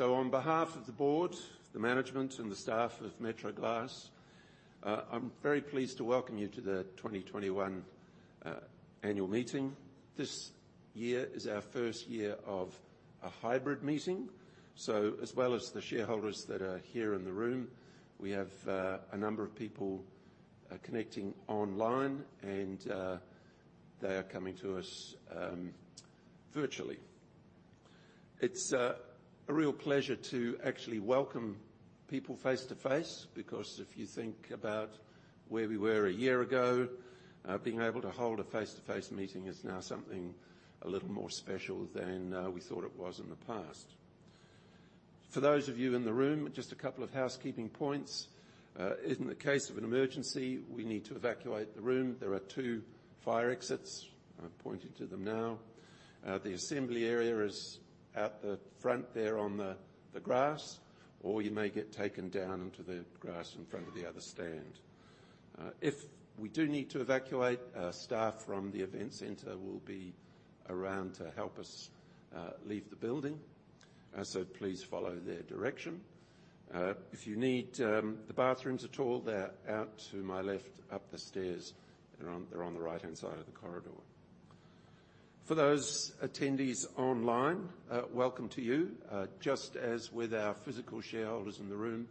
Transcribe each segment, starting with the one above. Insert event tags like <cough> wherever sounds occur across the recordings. On behalf of the board, the management, and the staff of Metro Glass, I'm very pleased to welcome you to the 2021 Annual Meeting. This year is our first year of a hybrid meeting. As well as the shareholders that are here in the room, we have a number of people connecting online and they are coming to us virtually. It's a real pleasure to actually welcome people face-to-face, because if you think about where we were a year ago, being able to hold a face-to-face meeting is now something a little more special than we thought it was in the past. For those of you in the room, just a couple of housekeeping points. In the case of an emergency, we need to evacuate the room. There are two fire exits. I'm pointing to them now. The assembly area is out the front there on the grass, or you may get taken down onto the grass in front of the other stand. If we do need to evacuate, staff from the event center will be around to help us leave the building, please follow their direction. If you need the bathrooms at all, they're out to my left, up the stairs. They're on the right-hand side of the corridor. For those attendees online, welcome to you. Just as with our physical shareholders in the room,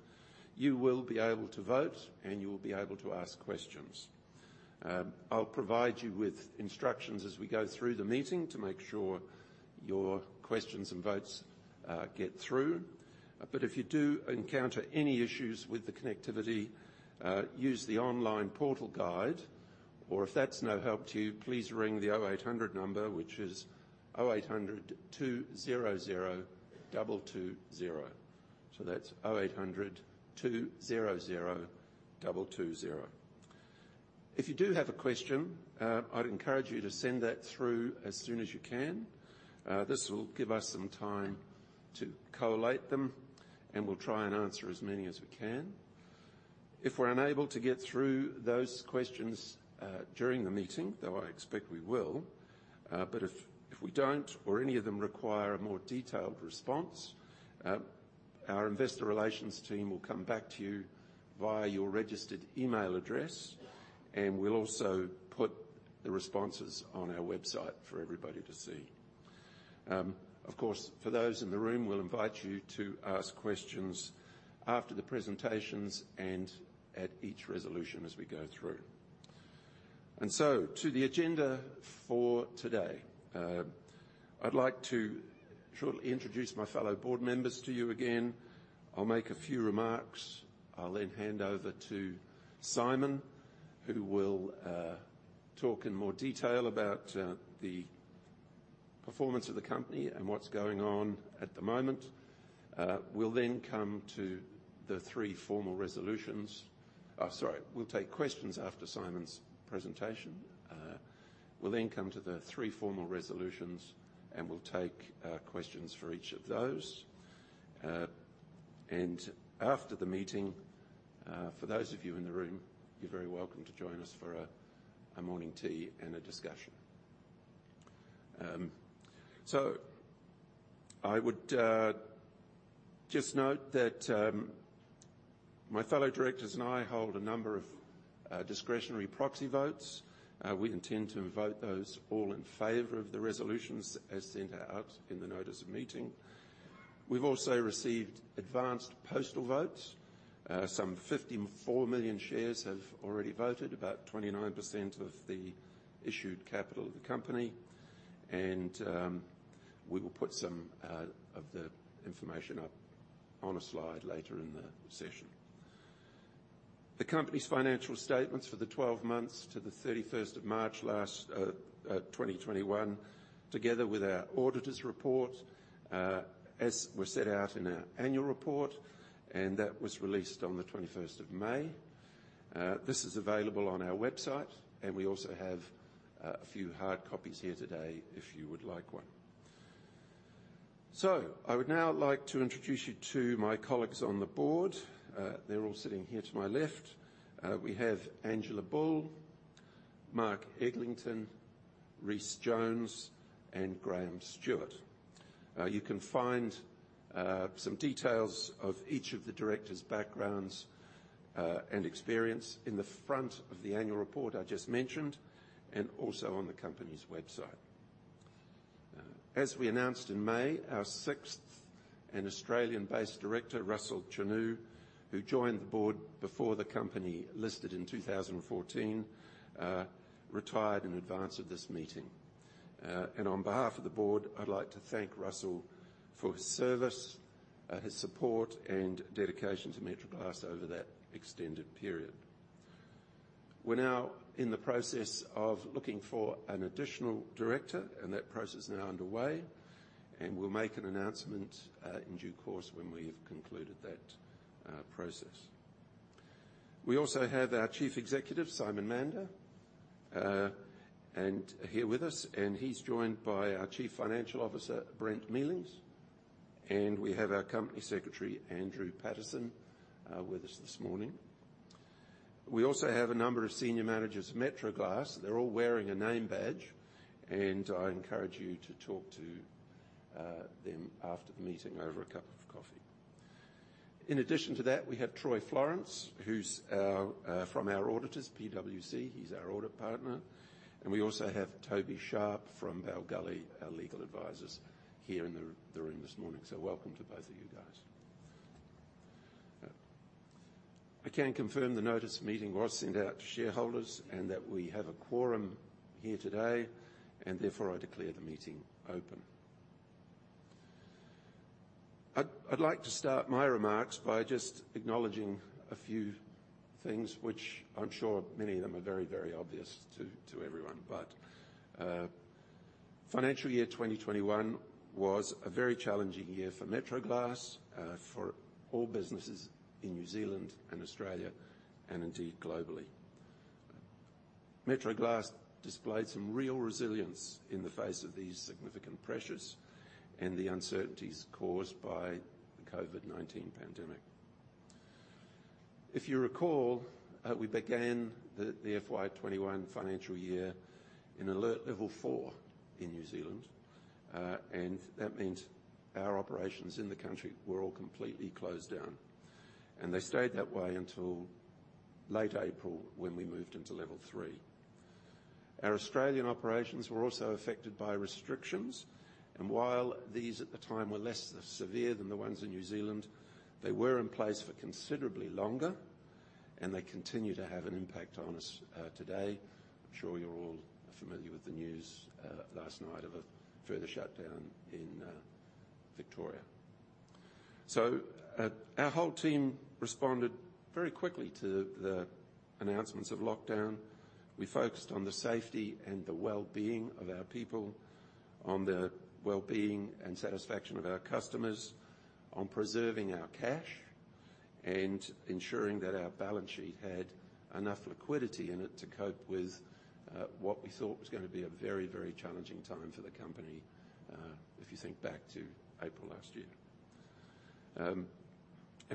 you will be able to vote and you will be able to ask questions. I'll provide you with instructions as we go through the meeting to make sure your questions and votes get through. If you do encounter any issues with the connectivity, use the online portal guide. If that's no help to you, please ring the 0800 number, which is 0800-200-220. That's 0800-200-220. If you do have a question, I'd encourage you to send that through as soon as you can. This will give us some time to collate them, and we'll try and answer as many as we can. If we're unable to get through those questions during the meeting, though I expect we will, but if we don't or any of them require a more detailed response, our investor relations team will come back to you via your registered email address, and we'll also put the responses on our website for everybody to see. Of course, for those in the room, we'll invite you to ask questions after the presentations and at each resolution as we go through. To the agenda for today. I'd like to shortly introduce my fellow board members to you again. I'll make a few remarks. I'll then hand over to Simon, who will talk in more detail about the performance of the company and what's going on at the moment. We'll then come to the three formal resolutions. Sorry. We'll take questions after Simon's presentation. We'll then come to the three formal resolutions, and we'll take questions for each of those. After the meeting, for those of you in the room, you're very welcome to join us for a morning tea and a discussion. I would just note that my fellow directors and I hold a number of discretionary proxy votes. We intend to vote those all in favor of the resolutions as sent out in the notice of meeting. We've also received advanced postal votes. 54 million shares have already voted, about 29% of the issued capital of the company. We will put some of the information up on a slide later in the session. The company's financial statements for the 12 months to the 31st of March last, 2021, together with our auditor's report, as were set out in our annual report. That was released on the 21st of May. This is available on our website. We also have a few hard copies here today if you would like one. I would now like to introduce you to my colleagues on the board. They're all sitting here to my left. We have Angela Bull, Mark Eglinton, Rhys Jones, and Graham Stuart. You can find some details of each of the directors' backgrounds and experience in the front of the annual report I just mentioned, and also on the company's website. As we announced in May, our 6th and Australian-based director, Russell Chenu, who joined the board before the company listed in 2014, retired in advance of this meeting. And on behalf of the board, I'd like to thank Russell for his service, his support, and dedication to Metro Glass over that extended period. We're now in the process of looking for an additional director. That process is now underway, and we'll make an announcement in due course when we've concluded that process. We also have our Chief Executive, Simon Mander, here with us. He's joined by our Chief Financial Officer, Brent Mealings, and we have our Company Secretary, Andrew Paterson, with us this morning. We also have a number of senior managers from Metro Glass. They're all wearing a name badge. I encourage you to talk to them after the meeting over a cup of coffee. In addition to that, we have Troy Florence, who's from our auditors, PwC. He's our Audit Partner. We also have Toby Sharpe from Bell Gully, our legal advisers, here in the room this morning. Welcome to both of you guys. I can confirm the notice meeting was sent out to shareholders and that we have a quorum here today, and therefore I declare the meeting open. I'd like to start my remarks by just acknowledging a few things, which I'm sure many of them are very obvious to everyone. Financial Year 2021 was a very challenging year for Metro Glass, for all businesses in New Zealand and Australia, and indeed globally. Metro Glass displayed some real resilience in the face of these significant pressures and the uncertainties caused by the COVID-19 pandemic. If you recall, we began the FY 2021 financial year in Alert Level 4 in New Zealand. That means our operations in the country were all completely closed down, and they stayed that way until late April, when we moved into Level 3. Our Australian operations were also affected by restrictions, and while these at the time were less severe than the ones in New Zealand, they were in place for considerably longer, and they continue to have an impact on us today. I'm sure you're all familiar with the news last night of a further shutdown in Victoria. Our whole team responded very quickly to the announcements of lockdown. We focused on the safety and the wellbeing of our people, on the wellbeing and satisfaction of our customers, on preserving our cash, and ensuring that our balance sheet had enough liquidity in it to cope with what we thought was going to be a very challenging time for the company, if you think back to April last year.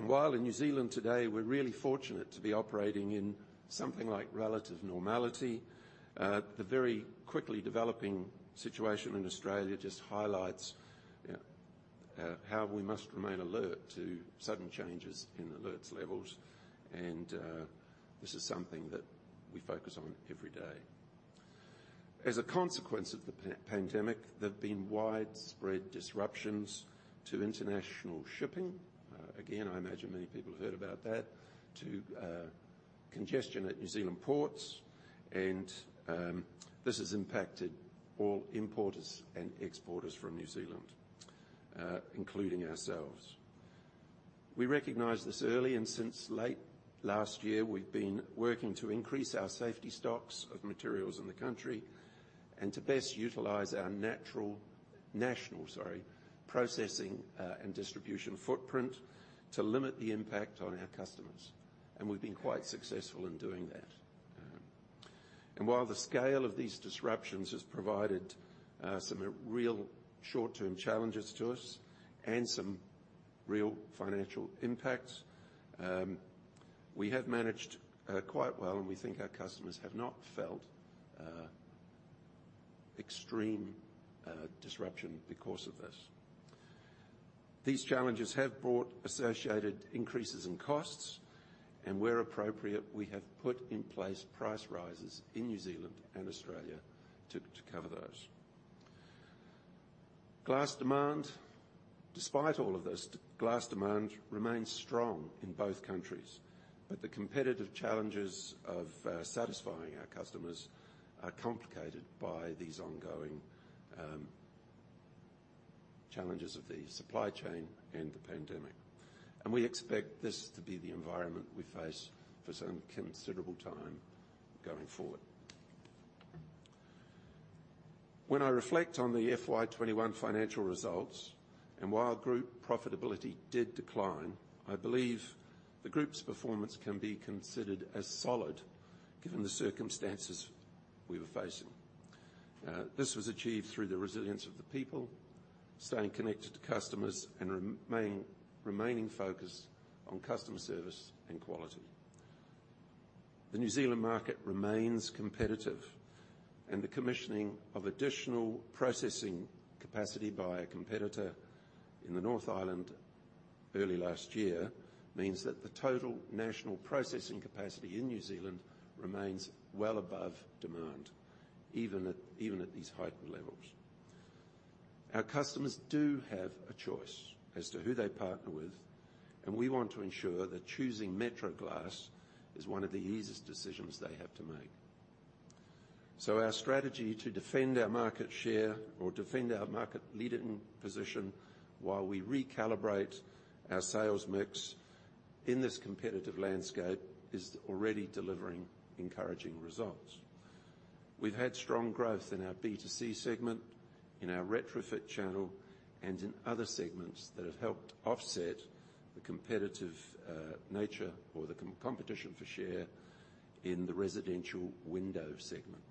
While in New Zealand today, we're really fortunate to be operating in something like relative normality. The very quickly developing situation in Australia just highlights how we must remain alert to sudden changes in Alert Levels. This is something that we focus on every day. As a consequence of the pandemic, there've been widespread disruptions to international shipping. Again, I imagine many people have heard about that, to congestion at New Zealand ports, and this has impacted all importers and exporters from New Zealand, including ourselves. We recognized this early, and since late last year, we've been working to increase our safety stocks of materials in the country and to best utilize our national processing and distribution footprint to limit the impact on our customers. We've been quite successful in doing that. While the scale of these disruptions has provided some real short-term challenges to us and some real financial impacts, we have managed quite well, and we think our customers have not felt extreme disruption because of this. These challenges have brought associated increases in costs, and where appropriate, we have put in place price rises in New Zealand and Australia to cover those. Glass demand, despite all of this, glass demand remains strong in both countries, but the competitive challenges of satisfying our customers are complicated by these ongoing challenges of the supply chain and the pandemic. We expect this to be the environment we face for some considerable time going forward. When I reflect on the FY 2021 financial results, and while group profitability did decline, I believe the group's performance can be considered as solid given the circumstances we were facing. This was achieved through the resilience of the people, staying connected to customers, and remaining focused on customer service and quality. The New Zealand market remains competitive, and the commissioning of additional processing capacity by a competitor in the North Island early last year means that the total national processing capacity in New Zealand remains well above demand, even at these heightened levels. Our customers do have a choice as to who they partner with, and we want to ensure that choosing Metro Glass is one of the easiest decisions they have to make. Our strategy to defend our market share or defend our market leading position while we recalibrate our sales mix in this competitive landscape is already delivering encouraging results. We've had strong growth in our B2C segment, in our retrofit channel, and in other segments that have helped offset the competitive nature or the competition for share in the residential window segment.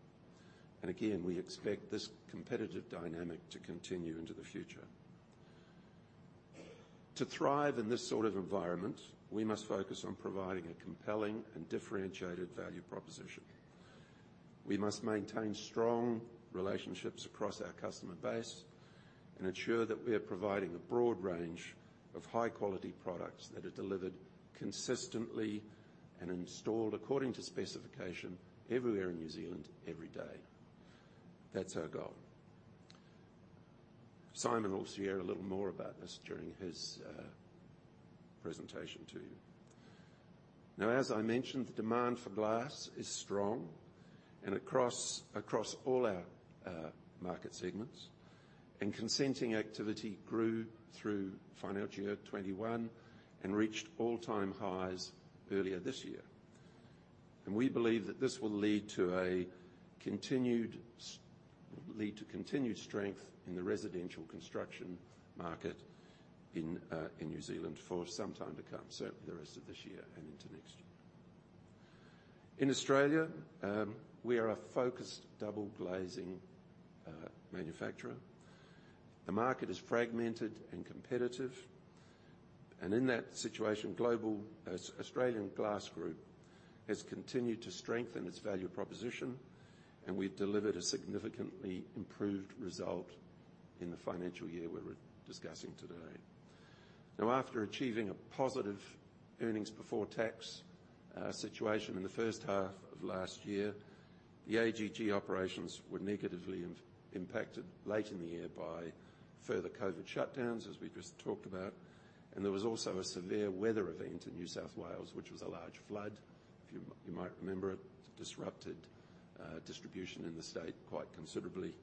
Again, we expect this competitive dynamic to continue into the future. To thrive in this sort of environment, we must focus on providing a compelling and differentiated value proposition. We must maintain strong relationships across our customer base and ensure that we are providing a broad range of high-quality products that are delivered consistently and installed according to specification everywhere in New Zealand every day. That's our goal. Simon will share a little more about this during his presentation to you. Now, as I mentioned, the demand for glass is strong and across all our market segments, and consenting activity grew through financial year 2021 and reached all-time highs earlier this year. We believe that this will lead to continued strength in the residential construction market in New Zealand for some time to come, so the rest of this year and into next year. In Australia, we are a focused double glazing manufacturer. The market is fragmented and competitive, and in that situation, Australian Glass Group has continued to strengthen its value proposition, and we've delivered a significantly improved result in the financial year we're discussing today. After achieving a positive earnings before tax situation in the first half of last year, the AGG operations were negatively impacted late in the year by further COVID shutdowns, as we just talked about, and there was also a severe weather event in New South Wales, which was a large flood. You might remember it disrupted distribution in the state quite considerably.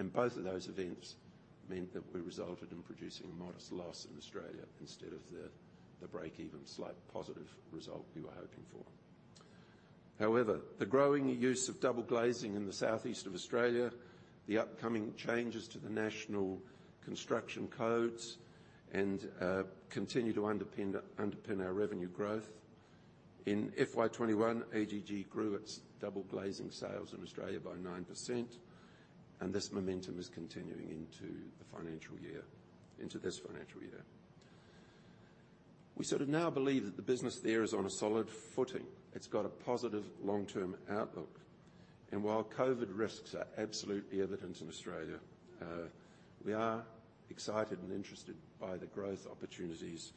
Both of those events meant that we resulted in producing a modest loss in Australia instead of the break-even slight positive result we were hoping for. However, the growing use of double glazing in the southeast of Australia, the upcoming changes to the National Construction Codes continue to underpin our revenue growth. In FY 2021, AGG grew its double glazing sales in Australia by 9%, and this momentum is continuing into this financial year. We now believe that the business there is on a solid footing. It's got a positive long-term outlook. While COVID risks are absolutely evident in Australia, we are excited and interested by the growth opportunities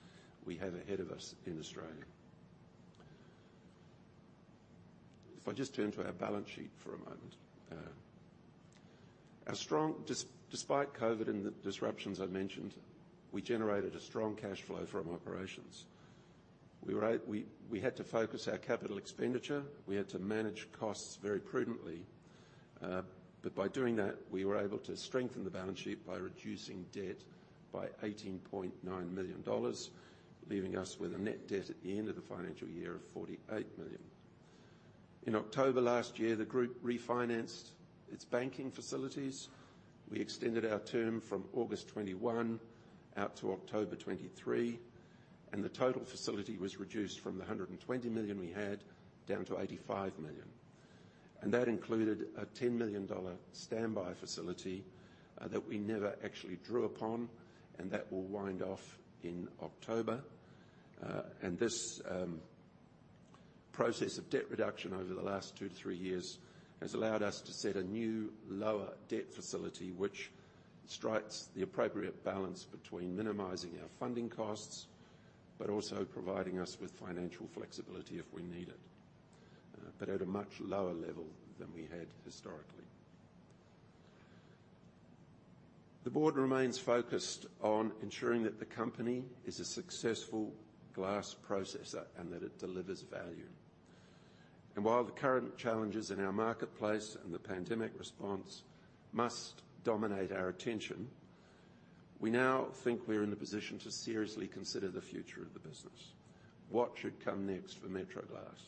we have ahead of us in Australia. If I just turn to our balance sheet for a moment. Despite COVID and the disruptions I mentioned, we generated a strong cash flow from operations. We had to focus our capital expenditure. We had to manage costs very prudently. By doing that, we were able to strengthen the balance sheet by reducing debt by 18.9 million dollars, leaving us with a net debt at the end of the financial year of 48 million. In October last year, the group refinanced its banking facilities. We extended our term from August 2021 out to October 2023, and the total facility was reduced from the 120 million we had down to 85 million. That included a 10 million dollar standby facility that we never actually drew upon, and that will wind off in October. This process of debt reduction over the last two to three years has allowed us to set a new, lower debt facility, which strikes the appropriate balance between minimizing our funding costs, but also providing us with financial flexibility if we need it. At a much lower level than we had historically. The board remains focused on ensuring that the company is a successful glass processor and that it delivers value. While the current challenges in our marketplace and the pandemic response must dominate our attention, we now think we are in a position to seriously consider the future of the business. What should come next for Metro Glass?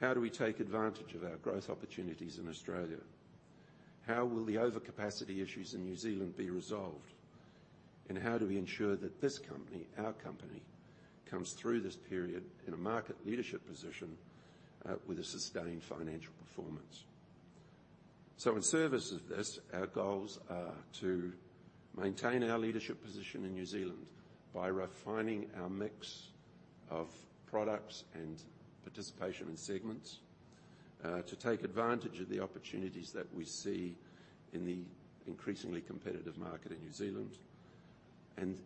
How do we take advantage of our growth opportunities in Australia? How will the overcapacity issues in New Zealand be resolved? How do we ensure that this company, our company, comes through this period in a market leadership position with a sustained financial performance? In service of this, our goals are to maintain our leadership position in New Zealand by refining our mix of products and participation in segments to take advantage of the opportunities that we see in the increasingly competitive market in New Zealand.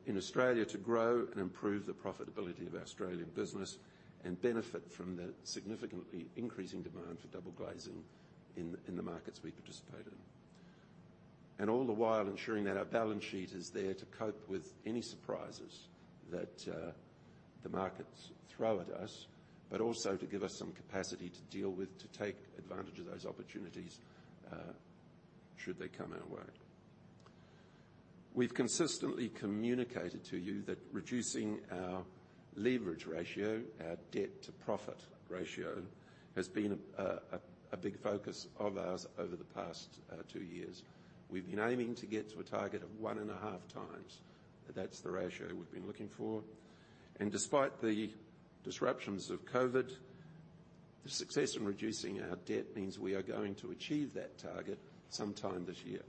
In Australia, to grow and improve the profitability of our Australian business and benefit from the significantly increasing demand for double glazing in the markets we participate in. All the while ensuring that our balance sheet is there to cope with any surprises that the markets throw at us, but also to give us some capacity to take advantage of those opportunities should they come our way. We've consistently communicated to you that reducing our leverage ratio, our debt to profit ratio, has been a big focus of ours over the past two years. We've been aiming to get to a target of one and a half times. That's the ratio we've been looking for. Despite the disruptions of COVID-19, the success in reducing our debt means we are going to achieve that target sometime this year.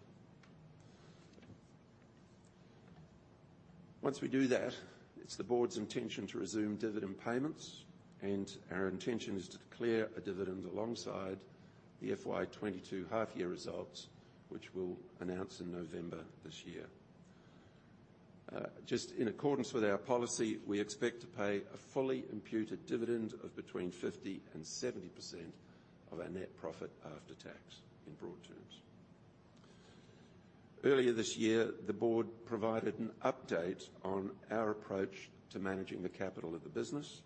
Once we do that, it's the board's intention to resume dividend payments, and our intention is to declare a dividend alongside the FY 2022 half-year results, which we'll announce in November this year. Just in accordance with our policy, we expect to pay a fully imputed dividend of between 50% and 70% of our net profit after tax in broad terms. Earlier this year, the board provided an update on our approach to managing the capital of the business,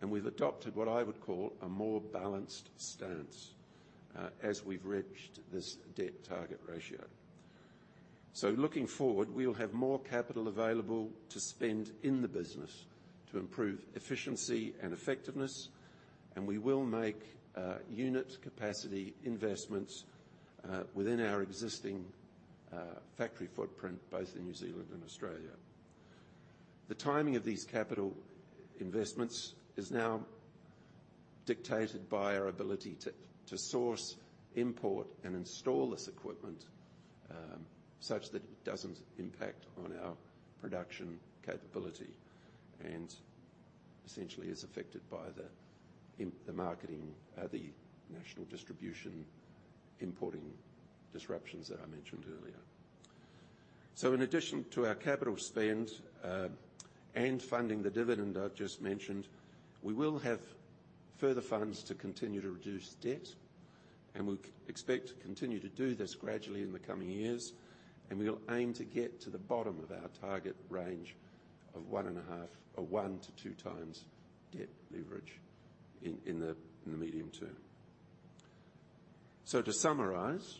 and we've adopted what I would call a more balanced stance as we've reached this debt target ratio. Looking forward, we will have more capital available to spend in the business to improve efficiency and effectiveness. We will make unit capacity investments within our existing factory footprint, both in New Zealand and Australia. The timing of these capital investments is now dictated by our ability to source, import, and install this equipment such that it doesn't impact on our production capability, and essentially is affected by the marketing, the national distribution importing disruptions that I mentioned earlier. In addition to our capital spend and funding the dividend I've just mentioned, we will have further funds to continue to reduce debt. We expect to continue to do this gradually in the coming years. We'll aim to get to the bottom of our target range of 1.5 or 1-2x debt leverage in the medium term. To summarize,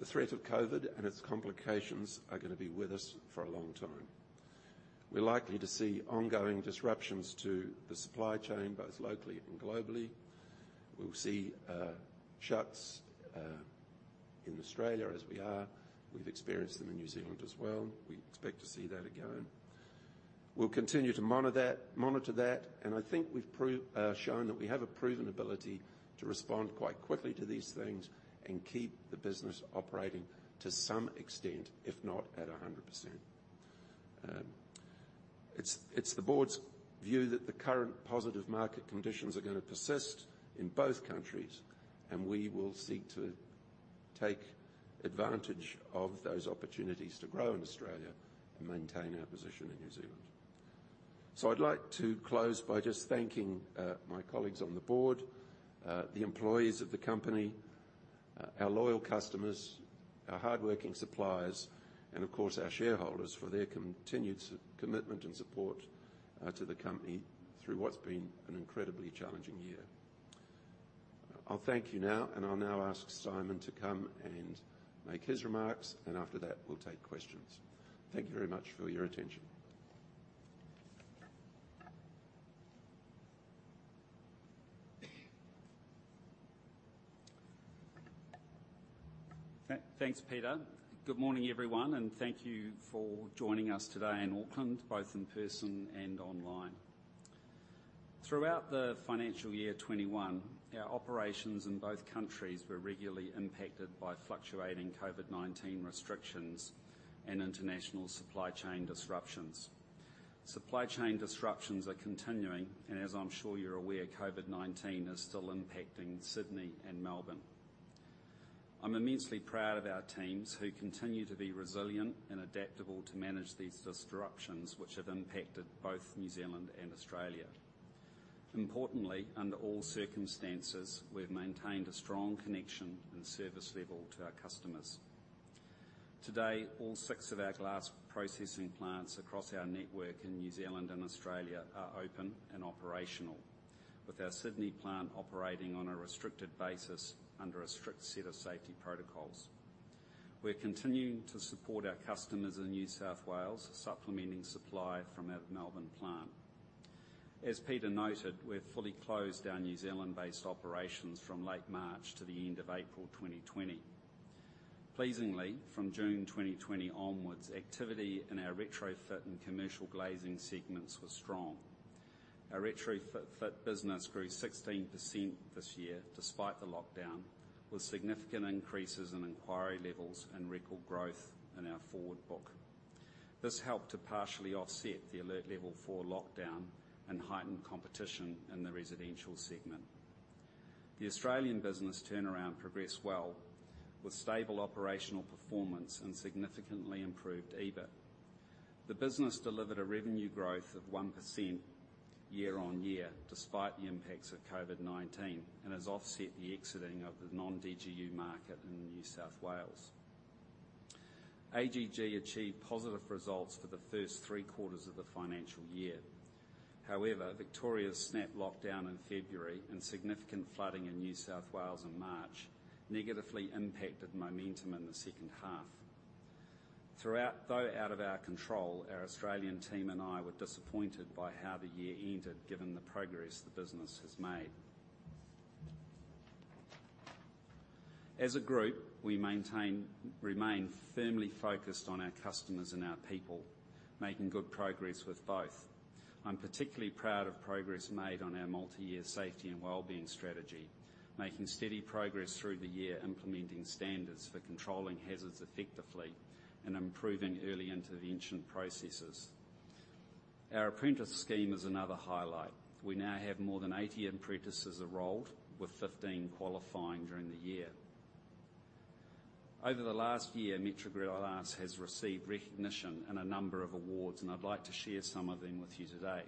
the threat of COVID and its complications are going to be with us for a long time. We're likely to see ongoing disruptions to the supply chain, both locally and globally. We'll see shuts in Australia as we are. We've experienced them in New Zealand as well. We expect to see that again. We'll continue to monitor that, and I think we've shown that we have a proven ability to respond quite quickly to these things and keep the business operating to some extent, if not at 100%. It's the board's view that the current positive market conditions are going to persist in both countries, and we will seek to take advantage of those opportunities to grow in Australia and maintain our position in New Zealand. I'd like to close by just thanking my colleagues on the board, the employees of the company, our loyal customers, our hardworking suppliers, and of course, our shareholders for their continued commitment and support to the company through what's been an incredibly challenging year. I'll thank you now, and I'll now ask Simon to come and make his remarks, and after that, we'll take questions. Thank you very much for your attention. Thanks, Peter. Good morning, everyone. Thank you for joining us today in Auckland, both in person and online. Throughout the financial year 2021, our operations in both countries were regularly impacted by fluctuating COVID-19 restrictions and international supply chain disruptions. Supply chain disruptions are continuing. As I'm sure you're aware, COVID-19 is still impacting Sydney and Melbourne. I'm immensely proud of our teams who continue to be resilient and adaptable to manage these disruptions, which have impacted both New Zealand and Australia. Importantly, under all circumstances, we've maintained a strong connection and service level to our customers. Today, all six of our glass processing plants across our network in New Zealand and Australia are open and operational, with our Sydney plant operating on a restricted basis under a strict set of safety protocols. We're continuing to support our customers in New South Wales, supplementing supply from our Melbourne plant. As Peter noted, we've fully closed our New Zealand-based operations from late March to the end of April 2020. Pleasingly, from June 2020 onwards, activity in our retrofit and commercial glazing segments was strong. Our retrofit business grew 16% this year despite the lockdown, with significant increases in inquiry levels and record growth in our forward book. This helped to partially offset the Alert Level 4 lockdown and heightened competition in the residential segment. The Australian business turnaround progressed well, with stable operational performance and significantly improved EBIT. The business delivered a revenue growth of 1% year-on-year, despite the impacts of COVID-19, and has offset the exiting of the non-DGU market in New South Wales. AGG achieved positive results for the first three quarters of the financial year. Victoria's snap lockdown in February and significant flooding in New South Wales in March negatively impacted momentum in the second half. Throughout, though out of our control, our Australian team and I were disappointed by how the year ended given the progress the business has made. As a group, we remain firmly focused on our customers and our people, making good progress with both. I'm particularly proud of progress made on our multi-year safety and wellbeing strategy, making steady progress through the year, implementing standards for controlling hazards effectively and improving early intervention processes. Our apprentice scheme is another highlight. We now have more than 80 apprentices enrolled, with 15 qualifying during the year. Over the last year, Metro Glass has received recognition and a number of awards. I'd like to share some of them with you today.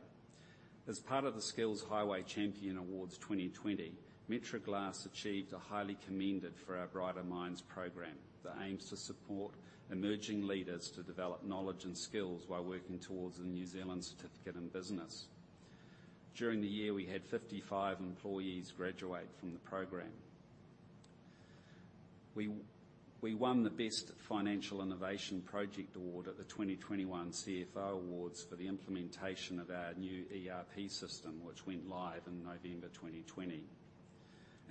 As part of the Skills Highway Champion Awards 2020, Metro Glass achieved a Highly Commended for our Brighter Minds program that aims to support emerging leaders to develop knowledge and skills while working towards a New Zealand certificate in business. During the year, we had 55 employees graduate from the program. We won the Best Financial Innovation Project Award at the 2021 CFO Awards for the implementation of our new ERP system, which went live in November 2020.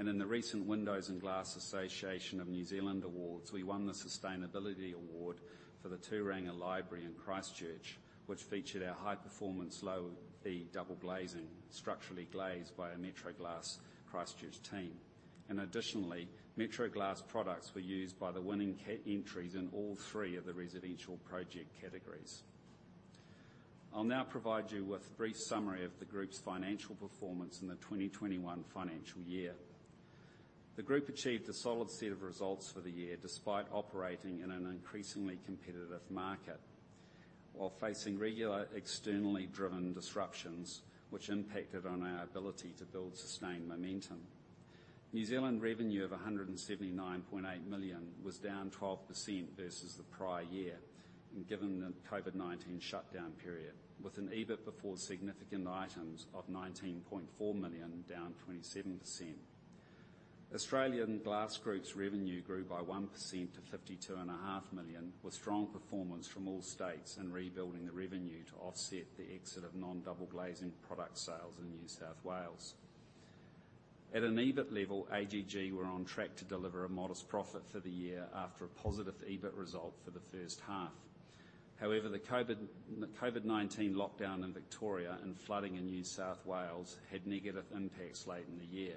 In the recent Window & Glass Association New Zealand Awards, we won the Sustainability Award for the Turanga Library in Christchurch, which featured our high-performance, low-E double glazing, structurally glazed by our Metro Glass Christchurch team. Additionally, Metro Glass products were used by the winning entries in all three of the residential project categories. I'll now provide you with a brief summary of the group's financial performance in the 2021 financial year. The group achieved a solid set of results for the year, despite operating in an increasingly competitive market while facing regular externally driven disruptions, which impacted on our ability to build sustained momentum. New Zealand revenue of 179.8 million was down 12% versus the prior year, given the COVID-19 shutdown period, with an EBIT before significant items of 19.4 million, down 27%. Australian Glass Group's revenue grew by 1% to 52.5 million, with strong performance from all states in rebuilding the revenue to offset the exit of non-double glazing product sales in New South Wales. At an EBIT level, AGG were on track to deliver a modest profit for the year after a positive EBIT result for the first half. However, the COVID-19 lockdown in Victoria and flooding in New South Wales had negative impacts late in the year.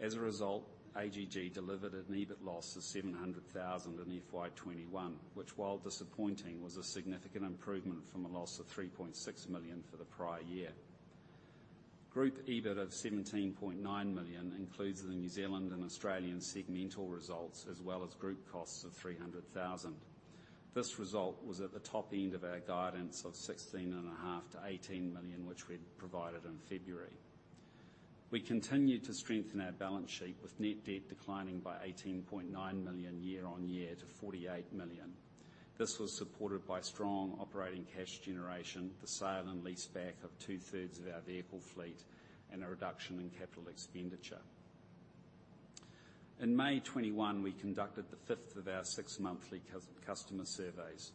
As a result, AGG delivered an EBIT loss of 700,000 in FY 2021, which, while disappointing, was a significant improvement from a loss of 3.6 million for the prior year. Group EBIT of 17.9 million includes the New Zealand and Australian segmental results, as well as group costs of 300,000. This result was at the top end of our guidance of 16.5 million-18 million, which we had provided in February. We continued to strengthen our balance sheet with net debt declining by 18.9 million year-on-year to 48 million. This was supported by strong operating cash generation, the sale and leaseback of two-thirds of our vehicle fleet, and a reduction in capital expenditure. In May 2021, we conducted the fifth of our six monthly customer surveys.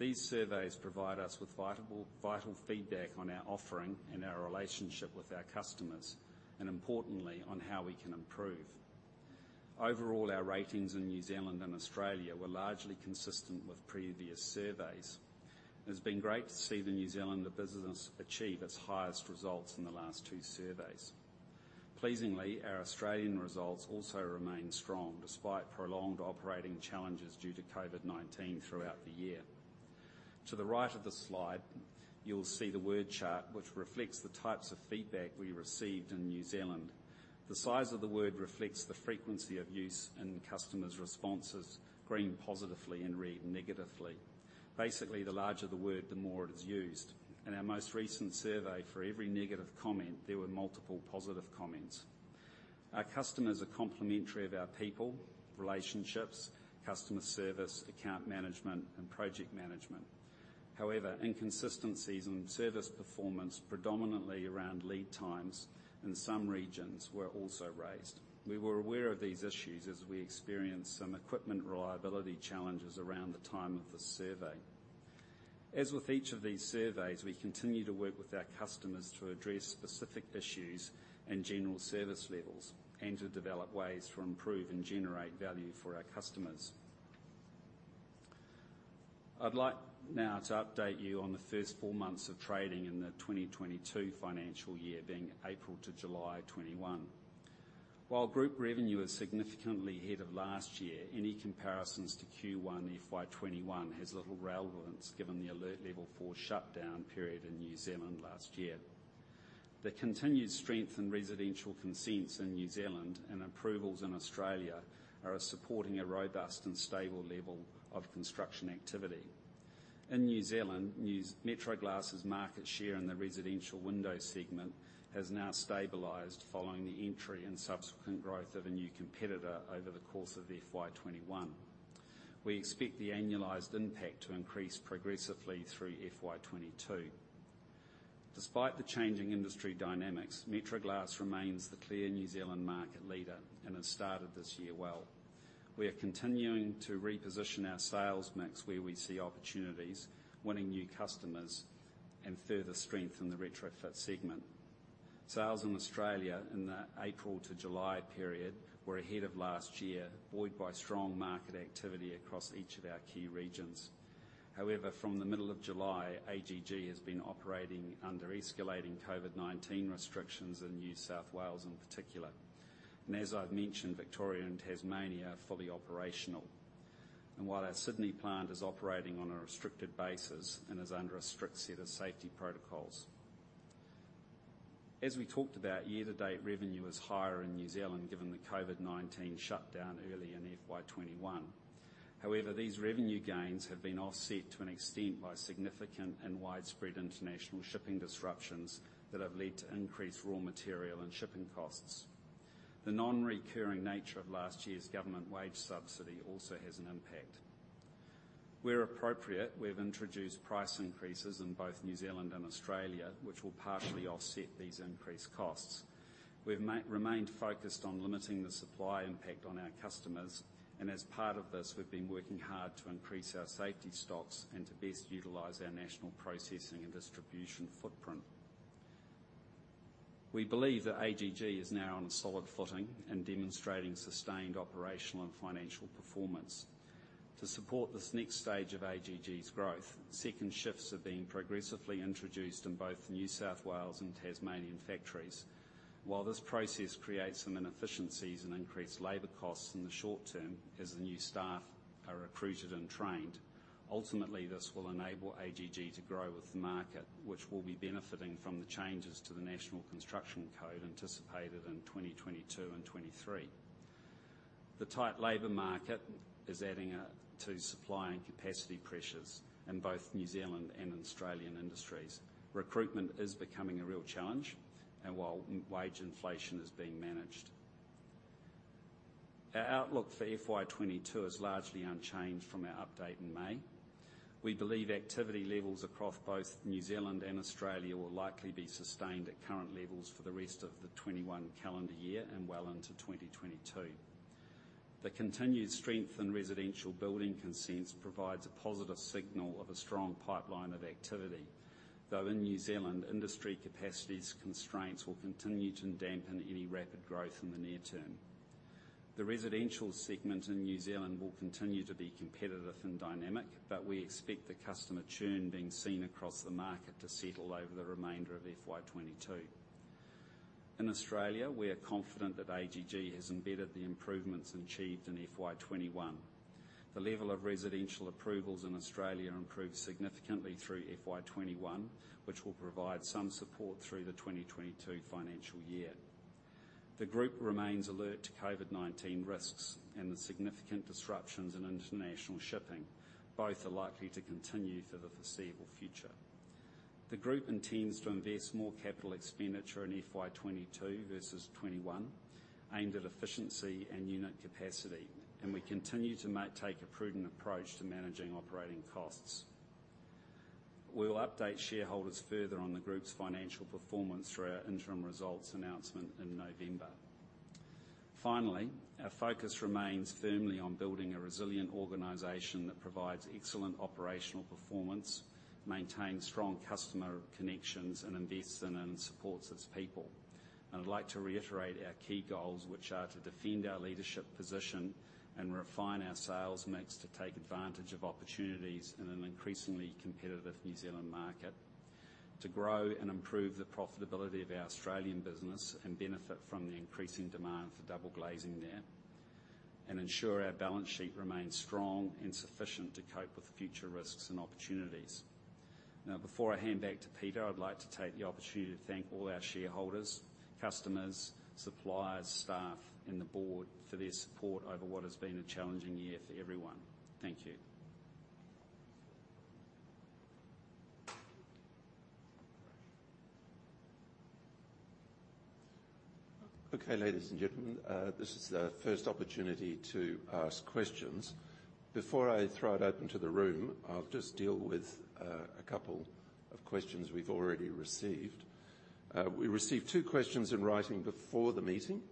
These surveys provide us with vital feedback on our offering and our relationship with our customers, and importantly, on how we can improve. Overall, our ratings in New Zealand and Australia were largely consistent with previous surveys. It's been great to see the New Zealand business achieve its highest results in the last two surveys. Pleasingly, our Australian results also remain strong, despite prolonged operating challenges due to COVID-19 throughout the year. To the right of the slide, you'll see the word chart, which reflects the types of feedback we received in New Zealand. The size of the word reflects the frequency of use in customers' responses, green positively and red negatively. Basically, the larger the word, the more it is used. In our most recent survey, for every negative comment, there were multiple positive comments. Our customers are complimentary of our people, relationships, customer service, account management, and project management. However, inconsistencies in service performance, predominantly around lead times in some regions, were also raised. We were aware of these issues as we experienced some equipment reliability challenges around the time of the survey. As with each of these surveys, we continue to work with our customers to address specific issues and general service levels and to develop ways to improve and generate value for our customers. I'd like now to update you on the first four months of trading in the 2022 financial year, being April to July 2021. While group revenue is significantly ahead of last year, any comparisons to Q1 FY 2021 has little relevance given the Alert Level 4 shutdown period in New Zealand last year. The continued strength in residential consents in New Zealand and approvals in Australia are supporting a robust and stable level of construction activity. In New Zealand, Metro Glass's market share in the residential window segment has now stabilized following the entry and subsequent growth of a new competitor over the course of FY 2021. We expect the annualized impact to increase progressively through FY 2022. Despite the changing industry dynamics, Metro Glass remains the clear New Zealand market leader and has started this year well. We are continuing to reposition our sales mix where we see opportunities, winning new customers, and further strength in the retrofit segment. Sales in Australia in the April to July period were ahead of last year, buoyed by strong market activity across each of our key regions. From the middle of July, AGG has been operating under escalating COVID-19 restrictions in New South Wales in particular. As I've mentioned, Victoria and Tasmania are fully operational. While our Sydney plant is operating on a restricted basis and is under a strict set of safety protocols. As we talked about, year-to-date revenue is higher in New Zealand given the COVID-19 shutdown early in FY 2021. However, these revenue gains have been offset to an extent by significant and widespread international shipping disruptions that have led to increased raw material and shipping costs. The non-recurring nature of last year's government wage subsidy also has an impact. Where appropriate, we've introduced price increases in both New Zealand and Australia, which will partially offset these increased costs. We've remained focused on limiting the supply impact on our customers, and as part of this, we've been working hard to increase our safety stocks and to best utilize our national processing and distribution footprint. We believe that AGG is now on a solid footing and demonstrating sustained operational and financial performance. To support this next stage of AGG's growth, second shifts are being progressively introduced in both New South Wales and Tasmanian factories. While this process creates some inefficiencies and increased labor costs in the short term as the new staff are recruited and trained, ultimately, this will enable AGG to grow with the market, which will be benefiting from the changes to the National Construction Code anticipated in 2022 and 2023. The tight labor market is adding to supply and capacity pressures in both New Zealand and Australian industries. Recruitment is becoming a real challenge and while wage inflation is being managed. Our outlook for FY 2022 is largely unchanged from our update in May. We believe activity levels across both New Zealand and Australia will likely be sustained at current levels for the rest of the 2021 calendar year and well into 2022. The continued strength in residential building consents provides a positive signal of a strong pipeline of activity, though in New Zealand, industry capacities constraints will continue to dampen any rapid growth in the near term. The residential segment in New Zealand will continue to be competitive and dynamic, but we expect the customer churn being seen across the market to settle over the remainder of FY 2022. In Australia, we are confident that AGG has embedded the improvements achieved in FY 2021. The level of residential approvals in Australia improved significantly through FY 2021, which will provide some support through the 2022 financial year. The group remains alert to COVID-19 risks and the significant disruptions in international shipping. Both are likely to continue for the foreseeable future. The group intends to invest more capital expenditure in FY 2022 vs. FY 2021, aimed at efficiency and unit capacity. We continue to take a prudent approach to managing operating costs. We will update shareholders further on the group's financial performance through our interim results announcement in November. Our focus remains firmly on building a resilient organization that provides excellent operational performance, maintains strong customer connections, and invests in and supports its people. I'd like to reiterate our key goals, which are to defend our leadership position and refine our sales mix to take advantage of opportunities in an increasingly competitive New Zealand market, to grow and improve the profitability of our Australian business and benefit from the increasing demand for double glazing there, and ensure our balance sheet remains strong and sufficient to cope with future risks and opportunities. Now, before I hand back to Peter, I'd like to take the opportunity to thank all our shareholders, customers, suppliers, staff, and the board for their support over what has been a challenging year for everyone. Thank you. Okay, ladies and gentlemen. This is the first opportunity to ask questions. Before I throw it open to the room, I'll just deal with a couple of questions we've already received. We received two questions in writing before the meeting,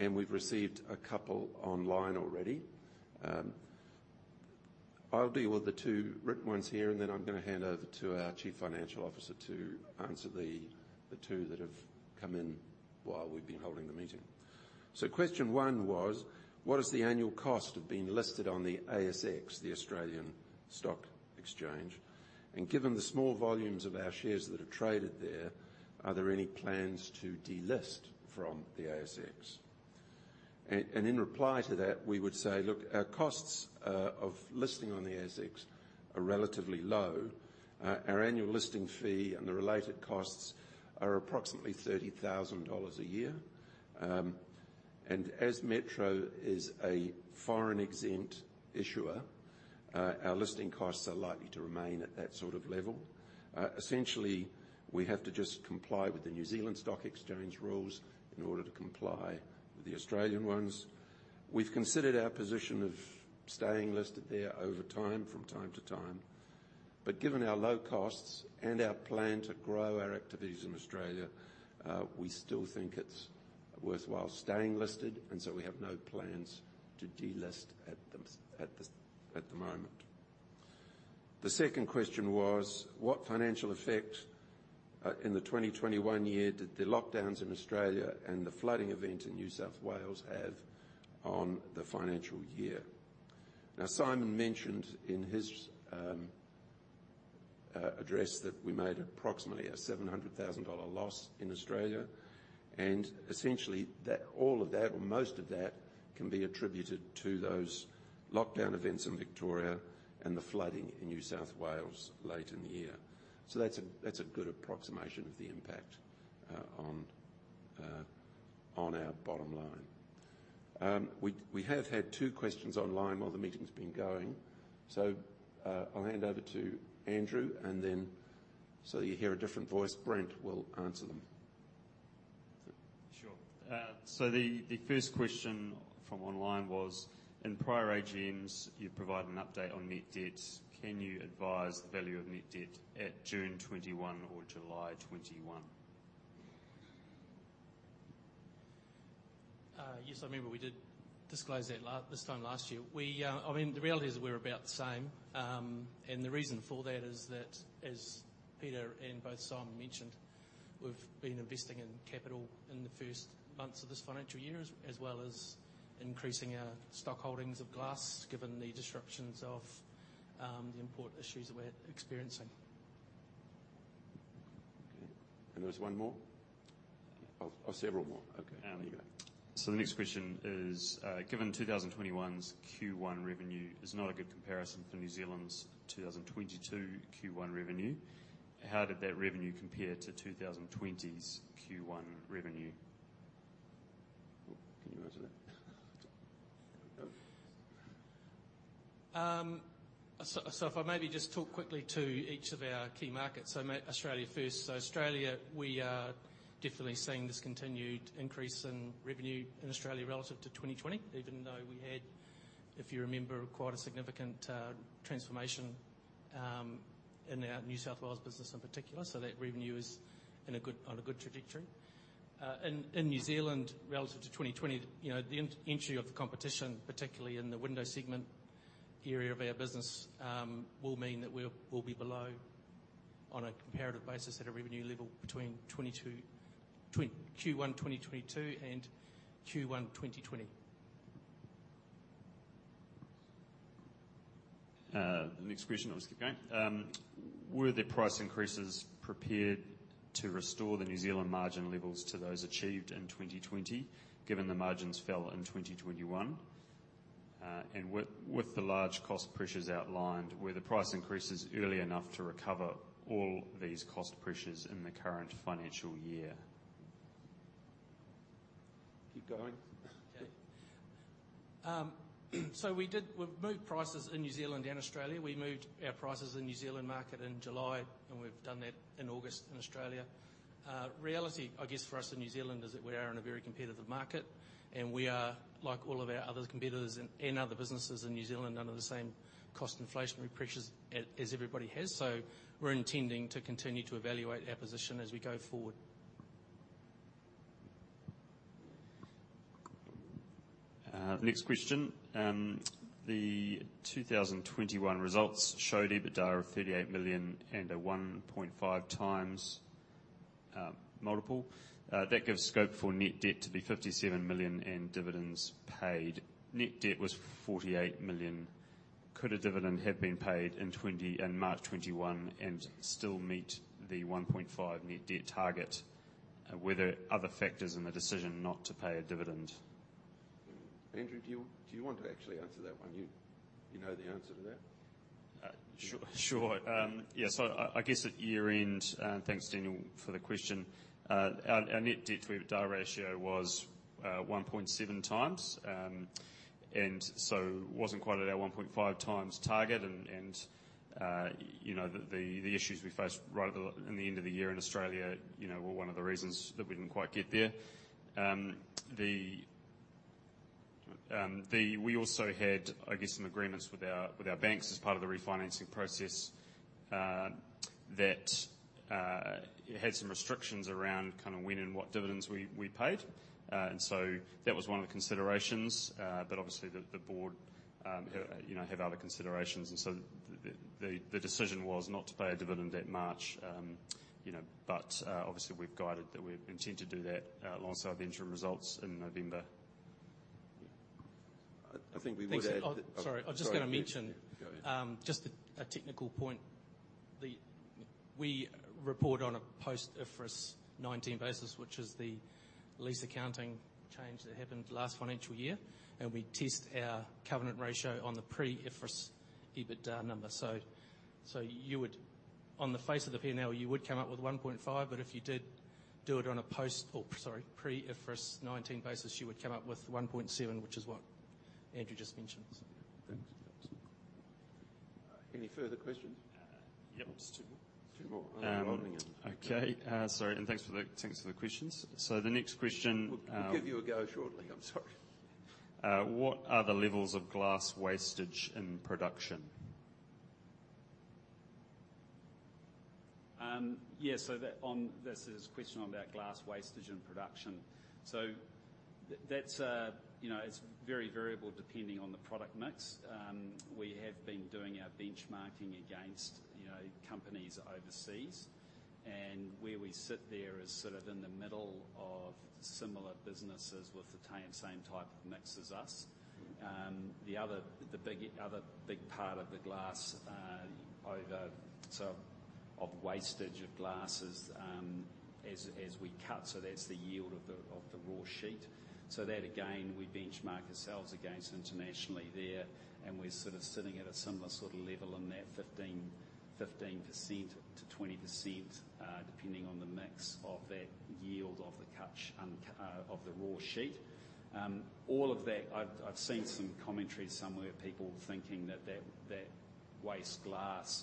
and we've received two online already. I'll deal with the two written ones here, and then I'm going to hand over to our Chief Financial Officer to answer the two that have come in while we've been holding the meeting. Question one was: What is the annual cost of being listed on the ASX, the Australian Securities Exchange? Given the small volumes of our shares that are traded there, are there any plans to delist from the ASX? In reply to that, we would say, look, our costs of listing on the ASX are relatively low. Our annual listing fee and the related costs are approximately 30,000 dollars a year. As Metro is a Foreign Exempt Issuer, our listing costs are likely to remain at that sort of level. Essentially, we have to just comply with the New Zealand Stock Exchange rules in order to comply with the Australian ones. Given our low costs and our plan to grow our activities in Australia, we still think it's worthwhile staying listed, so we have no plans to delist at the moment. The second question was: What financial effect, in the 2021 year, did the lockdowns in Australia and the flooding event in New South Wales have on the financial year? Simon mentioned in his address that we made approximately an 700,000 dollar loss in Australia, and essentially, all of that or most of that can be attributed to those lockdown events in Victoria and the flooding in New South Wales late in the year. That's a good approximation of the impact on our bottom line. We have had two questions online while the meeting's been going. I'll hand over to Andrew, and then so that you hear a different voice, Brent will answer them. Sure. The first question from online was, "In prior AGMs, you provide an update on net debt. Can you advise the value of net debt at June 2021 or July 2021? Yes, I remember we did disclose that this time last year. The reality is we're about the same. The reason for that is that, as Peter and both Simon mentioned, we've been investing in capital in the first months of this financial year, as well as increasing our stock holdings of glass, given the disruptions of the import issues that we're experiencing. Okay. There was one more? Oh, several more. Okay. There you go. The next question is: Given 2021's Q1 revenue is not a good comparison for New Zealand's 2022 Q1 revenue, how did that revenue compare to 2020's Q1 revenue? Oh, can you answer that? There we go. If I maybe just talk quickly to each of our key markets. Australia first. Australia, we are definitely seeing this continued increase in revenue in Australia relative to 2020, even though we had, if you remember, quite a significant transformation in our New South Wales business in particular. That revenue is on a good trajectory. In New Zealand, relative to 2020, the entry of the competition, particularly in the window segment area of our business, will mean that we'll be below on a comparative basis at a revenue level between Q1 2022 and Q1 2020. The next question, I'll just keep going. Were the price increases prepared to restore the New Zealand margin levels to those achieved in 2020, given the margins fell in 2021? With the large cost pressures outlined, were the price increases early enough to recover all these cost pressures in the current financial year? Keep going. Okay. We've moved prices in New Zealand and Australia. We moved our prices in New Zealand market in July, and we've done that in August in Australia. Reality, I guess, for us in New Zealand is that we are in a very competitive market, and we are, like all of our other competitors and other businesses in New Zealand, under the same cost inflationary pressures as everybody has. We're intending to continue to evaluate our position as we go forward. Next question. The 2021 results showed EBITDA of 38 million and a 1.5x multiple. That gives scope for net debt to be 57 million in dividends paid. Net debt was 48 million. Could a dividend have been paid in March 2021 and still meet the 1.5 net debt target? Were there other factors in the decision not to pay a dividend? Andrew, do you want to actually answer that one? You know the answer to that. Sure. Yeah. I guess at year-end. Thanks, Daniel, for the question. Our net debt to EBITDA ratio was 1.7x, wasn't quite at our 1.5x target. The issues we faced right in the end of the year in Australia were one of the reasons that we didn't quite get there. We also had, I guess, some agreements with our banks as part of the refinancing process that had some restrictions around when and what dividends we paid. That was one of the considerations. Obviously, the board have other considerations. The decision was not to pay a dividend that March. Obviously, we've guided that we intend to do that alongside the interim results in November. I think we would. Sorry, I've just got to mention Go ahead. Just a technical point. We report on a post-IFRS 16 basis, which is the lease accounting change that happened last financial year, and we test our covenant ratio on the pre-IFRS EBITDA number. On the face of the P&L, you would come up with 1.5, but if you did do it on a post, sorry, pre-IFRS 16 basis, you would come up with 1.7, which is what Andrew just mentioned. Thanks. Any further questions? Yep. Just two more. Two more. Okay. Okay. Sorry, and thanks for the questions. The next question. We'll give you a go shortly. I'm sorry. What are the levels of glass wastage in production? This is a question about glass wastage in production. It's very variable depending on the product mix. We have been doing our benchmarking against companies overseas, and where we sit there is sort of in the middle of similar businesses with the same type of mix as us. The other big part of the wastage of glass is as we cut. That's the yield of the raw sheet. That, again, we benchmark ourselves against internationally there, and we're sitting at a similar sort of level in that 15%-20%, depending on the mix of that yield of the cut and of the raw sheet. All of that, I've seen some commentary somewhere, people thinking that that waste glass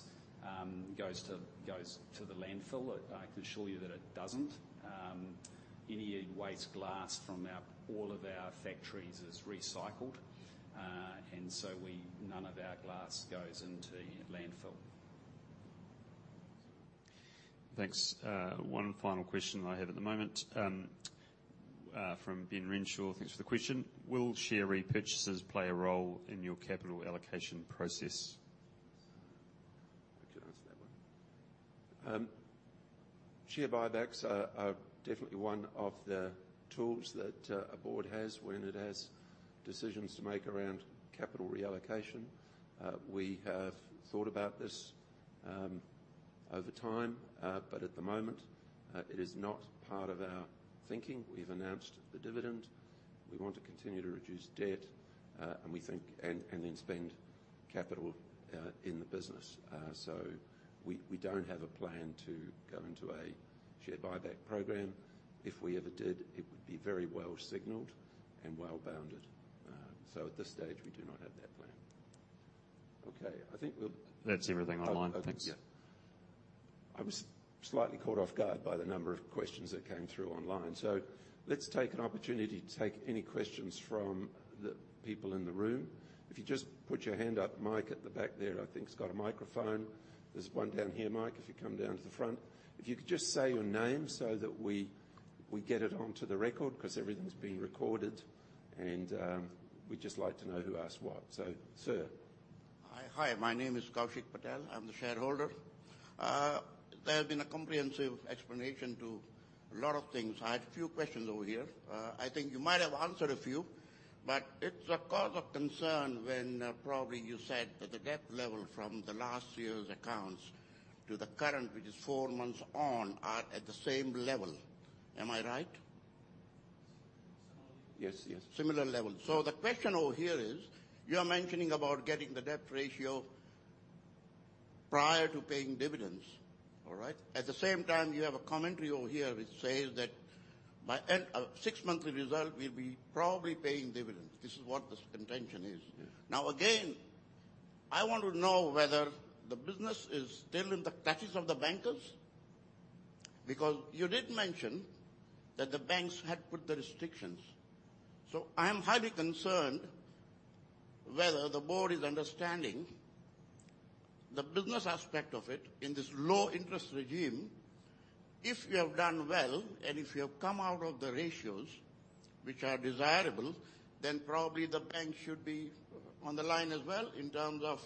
goes to the landfill. I can assure you that it doesn't. Any waste glass from all of our factories is recycled. None of our glass goes into landfill. Thanks. One final question that I have at the moment from Ben Renshaw. Thanks for the question. Will share repurchases play a role in your capital allocation process? Would you answer that one? Share buybacks are definitely one of the tools that a board has when it has decisions to make around capital reallocation. We have thought about this over time, but at the moment, it is not part of our thinking. We've announced the dividend. We want to continue to reduce debt and then spend capital in the business. We don't have a plan to go into a share buyback program. If we ever did, it would be very well signaled and well bounded. At this stage, we do not have that plan. Okay. That's everything online. Thanks. Yeah. I was slightly caught off guard by the number of questions that came through online. Let's take an opportunity to take any questions from the people in the room. If you just put your hand up. Mike at the back there, I think, has got a microphone. There's one down here, Mike, if you come down to the front. If you could just say your name so that we get it onto the record because everything's being recorded, and we'd just like to know who asked what. Sir. Hi, my name is Kaushik Patel. I'm the shareholder. There has been a comprehensive explanation to a lot of things. I have a few questions over here. I think you might have answered a few. It's a cause of concern when probably you said that the debt level from the last year's accounts to the current, which is four months on, are at the same level. Am I right? Yes. Similar level. The question over here is, you're mentioning about getting the debt ratio prior to paying dividends. All right. At the same time, you have a commentary over here which says that by end of sixth monthly result, we'll be probably paying dividends. This is what this intention is. Yes. Again, I want to know whether the business is still in the clutches of the bankers, because you did mention that the banks had put the restrictions. I am highly concerned whether the board is understanding the business aspect of it in this low interest regime. If you have done well, and if you have come out of the ratios which are desirable, then probably the bank should be on the line as well in terms of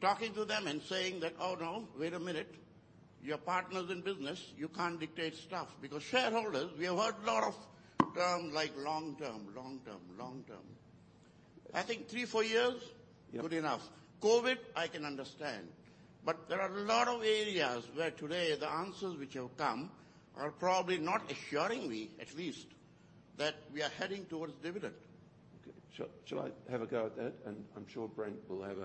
talking to them and saying that, "Oh, no, wait a minute. You're partners in business. You can't dictate stuff." Shareholders, we have heard a lot of terms like long-term. I think three, four years. Yeah Good enough. COVID, I can understand. There are a lot of areas where today the answers which have come are probably not assuring me, at least, that we are heading towards dividend. Okay. Shall I have a go at that? I'm sure Brent will have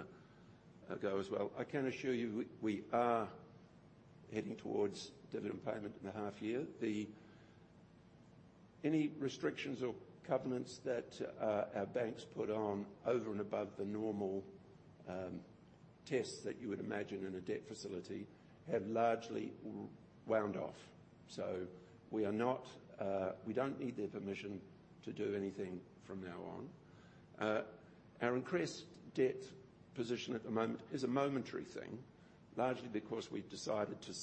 a go as well. I can assure you we are heading towards dividend payment in the half year. Any restrictions or covenants that our banks put on over and above the normal tests that you would imagine in a debt facility have largely wound off. We don't need their permission to do anything from now on. Our increased debt position at the moment is a momentary thing, largely because we've decided to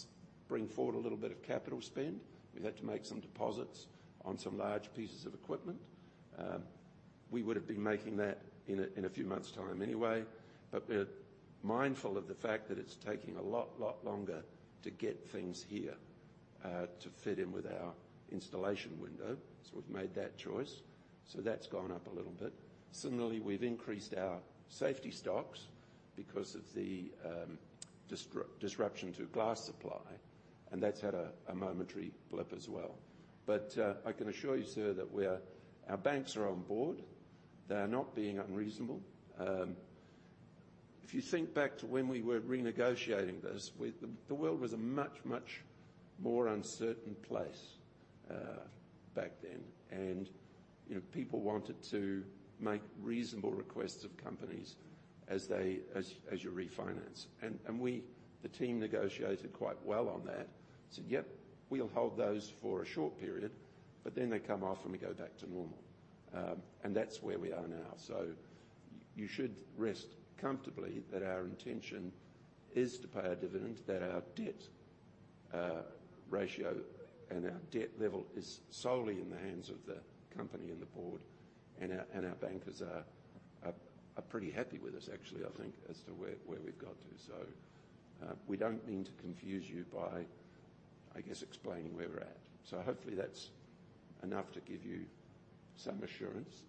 bring forward a little bit of capital spend. We've had to make some deposits on some large pieces of equipment. We would have been making that in a few months time anyway. We're mindful of the fact that it's taking a lot longer to get things here to fit in with our installation window. We've made that choice. That's gone up a little bit. Similarly, we've increased our safety stocks because of the disruption to glass supply, and that's had a momentary blip as well. I can assure you, sir, that our banks are on board. They are not being unreasonable. If you think back to when we were renegotiating this, the world was a much, much more uncertain place back then. People wanted to make reasonable requests of companies as you refinance. The team negotiated quite well on that. Said, "Yep, we'll hold those for a short period," but then they come off and we go back to normal. That's where we are now. You should rest comfortably that our intention is to pay a dividend, that our debt ratio and our debt level is solely in the hands of the company and the board. Our bankers are pretty happy with us, actually, I think, as to where we've got to. We don't mean to confuse you by, I guess, explaining where we're at. Hopefully that's enough to give you some assurance.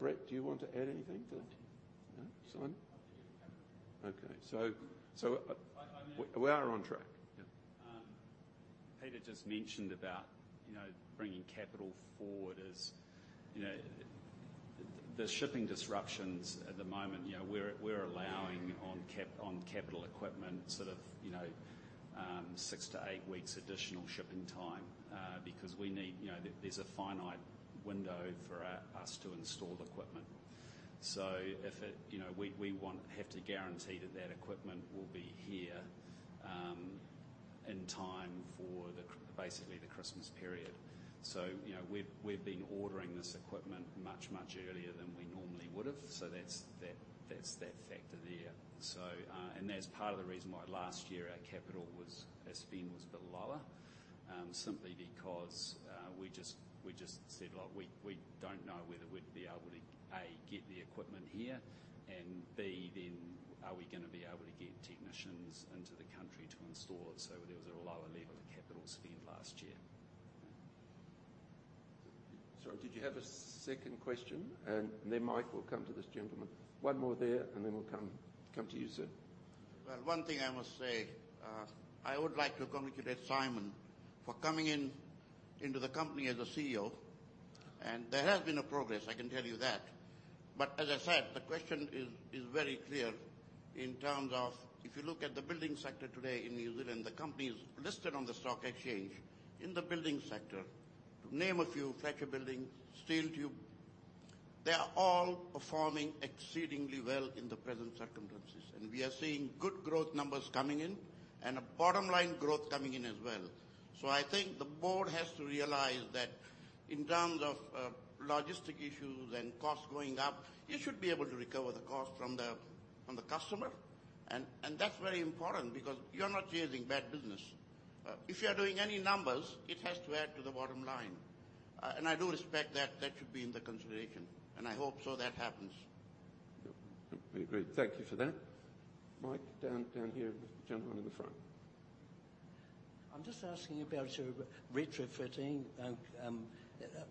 Brent, do you want to add anything to that? No? Simon? I think you've covered it. Okay. I mean We are on track. Yeah. Peter just mentioned about bringing capital forward as the shipping disruptions at the moment. We're allowing on capital equipment sort of six to eight weeks additional shipping time, because there's a finite window for us to install the equipment. We have to guarantee that that equipment will be here in time for basically the Christmas period. We've been ordering this equipment much, much earlier than we normally would've. That's that factor there. That's part of the reason why last year our capital spend was a bit lower, simply because we just said, "Look, we don't know whether we'd be able to, A, get the equipment here, and B, then are we going to be able to get technicians into the country to install it?" There was a lower level of capital spend last year. Sorry, did you have a second question? Mike, we'll come to this gentleman. One more there and then we'll come to you, sir. One thing I must say, I would like to congratulate Simon for coming into the company as a CEO, and there has been a progress, I can tell you that. As I said, the question is very clear in terms of, if you look at the building sector today in New Zealand, the companies listed on the stock exchange in the building sector. To name a few, Fletcher Building, Steel & Tube, they are all performing exceedingly well in the present circumstances. We are seeing good growth numbers coming in and a bottom-line growth coming in as well. I think the board has to realize that in terms of logistic issues and costs going up, you should be able to recover the cost from the customer. That's very important because you're not chasing bad business. If you are doing any numbers, it has to add to the bottom line. I do expect that that should be in the consideration, and I hope so that happens. Yep. We agree. Thank you for that. Mike, down here with the gentleman in the front. I'm just asking about your retrofitting.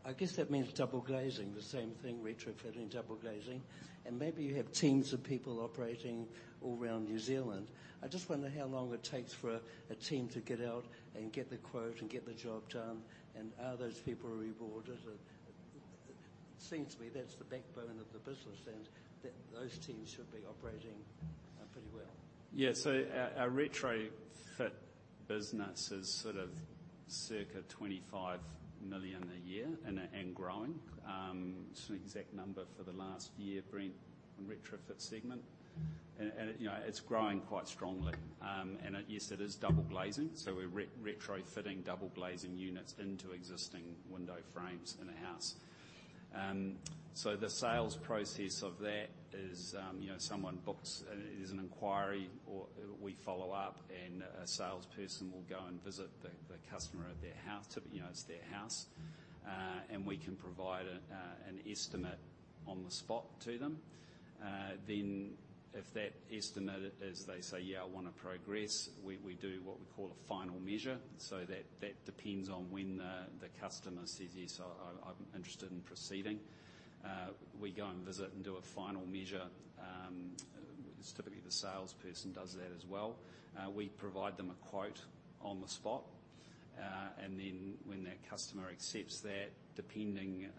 I guess that means double glazing, the same thing, retrofitting, double glazing. Maybe you have teams of people operating all around New Zealand. I just wonder how long it takes for a team to get out and get the quote and get the job done, and are those people rewarded? It seems to me that's the backbone of the business and that those teams should be operating pretty well. Yeah. Our retrofit business is sort of circa 25 million a year and growing. What's an exact number for the last year, Brent Mealings, on retrofit segment? It's growing quite strongly. Yes, it is double glazing. We're retrofitting double glazing units into existing window frames in a house. The sales process of that is someone books, there's an inquiry or we follow up and a salesperson will go and visit the customer at their house. It's their house. We can provide an estimate on the spot to them. If that estimate is they say, "Yeah, I want to progress," we do what we call a final measure. That depends on when the customer says, "Yes, I'm interested in proceeding." We go and visit and do a final measure. It's typically the salesperson does that as well. We provide them a quote on the spot. When that customer accepts that, depending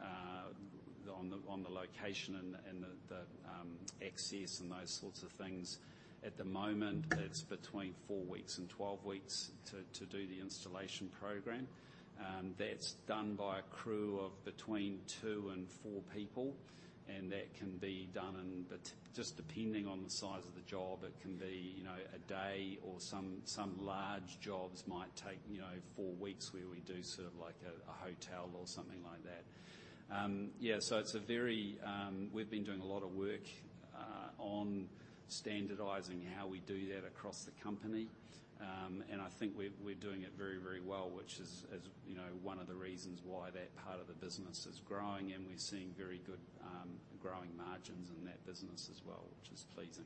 on the location and the access and those sorts of things, at the moment, it's between four weeks and 12 weeks to do the installation program. That's done by a crew of between two and four people, and that can be done in, just depending on the size of the job, it can be a day or some large jobs might take four weeks where we do sort of like a hotel or something like that. Yeah. We've been doing a lot of work on standardizing how we do that across the company. I think we're doing it very well, which is one of the reasons why that part of the business is growing and we're seeing very good growing margins in that business as well, which is pleasing.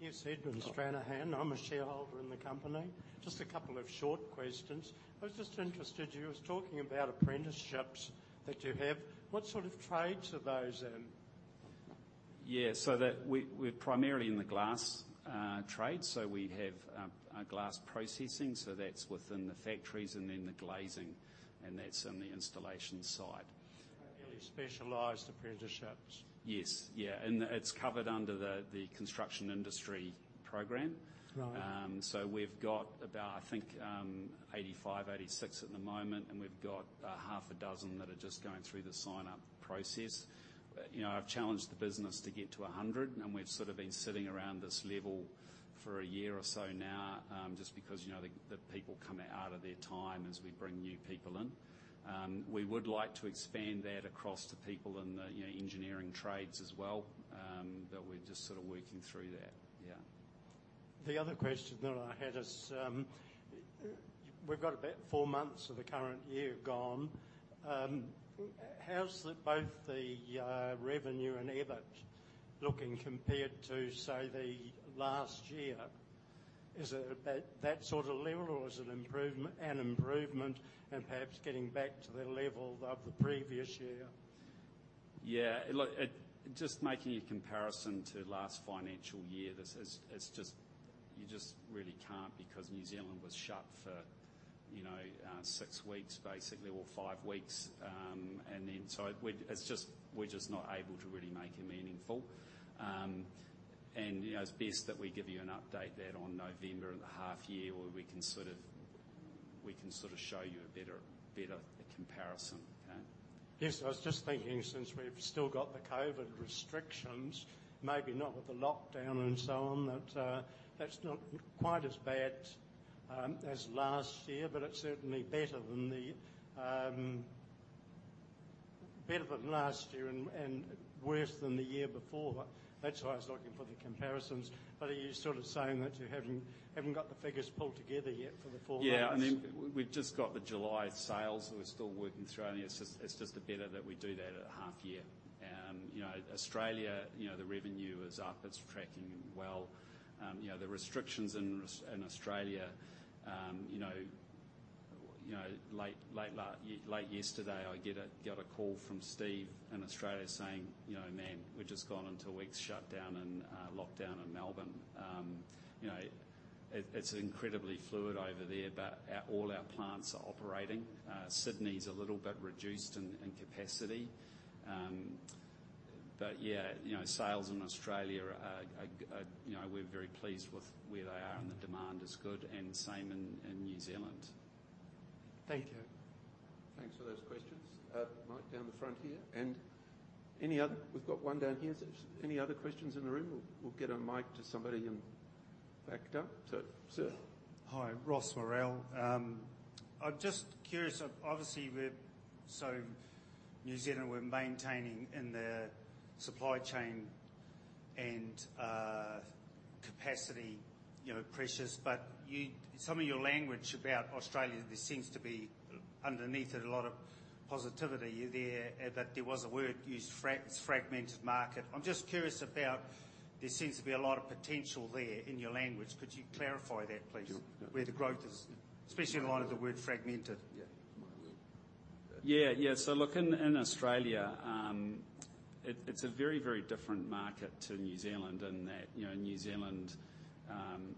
Yeah. Thank you. Is there Mike, down the back there? Yes. Edmund Stranahan. I'm a shareholder in the company. Just a couple of short questions. I was just interested, you was talking about apprenticeships that you have. What sort of trades are those in? We're primarily in the glass trade, so we have glass processing, so that's within the factories, and then the glazing, and that's on the installation side. Fairly specialized apprenticeships. Yes. Yeah. It's covered under the construction industry program. Right. We've got about, I think, 85, 86 at the moment, and we've got a half a dozen that are just going through the sign-up process. I've challenged the business to get to 100, and we've sort of been sitting around this level for a year or so now. Just because the people come out of their time as we bring new people in. We would like to expand that across to people in the engineering trades as well, but we're just sort of working through that. Yeah. The other question that I had is, we've got about four months of the current year gone. How's both the revenue and EBIT looking compared to, say, the last year? Is it at that sort of level, or is it an improvement and perhaps getting back to the level of the previous year? Look, just making a comparison to last financial year, you just really can't because New Zealand was shut for six weeks, basically, or five weeks. Then, we're just not able to really make it meaningful. It's best that we give you an update that on November at the half year, where we can show you a better comparison. Okay? Yes. I was just thinking since we've still got the COVID restrictions, maybe not with the lockdown and so on, that's not quite as bad as last year, but it's certainly better than last year and worse than the year before. That's why I was looking for the comparisons. Are you sort of saying that you haven't got the figures pulled together yet for the 4 months? Yeah. We've just got the July sales that we're still working through. It's just better that we do that at half year. Australia, the revenue is up. It's tracking well. The restrictions in Australia, late yesterday, I got a call from Steve in Australia saying, "Man, we've just gone into a week's shutdown and lockdown in Melbourne." It's incredibly fluid over there, but all our plants are operating. Sydney's a little bit reduced in capacity. Sales in Australia, we're very pleased with where they are and the demand is good and same in New Zealand. Thank you. Thanks for those questions. Mike down the front here. We've got one down here. Any other questions in the room? We'll get a mic to somebody in the back there. Sir. Hi. Ross Morrell. I'm just curious, obviously, so New Zealand, we're maintaining in the supply chain and capacity pressures, but some of your language about Australia, there seems to be underneath it a lot of positivity there, but there was a word used, fragmented market. I'm just curious about, there seems to be a lot of potential there in your language. Could you clarify that, please? Where the growth is, especially in light of the word fragmented? Yeah. Mike. Look, in Australia, it's a very, very different market to New Zealand in that New Zealand,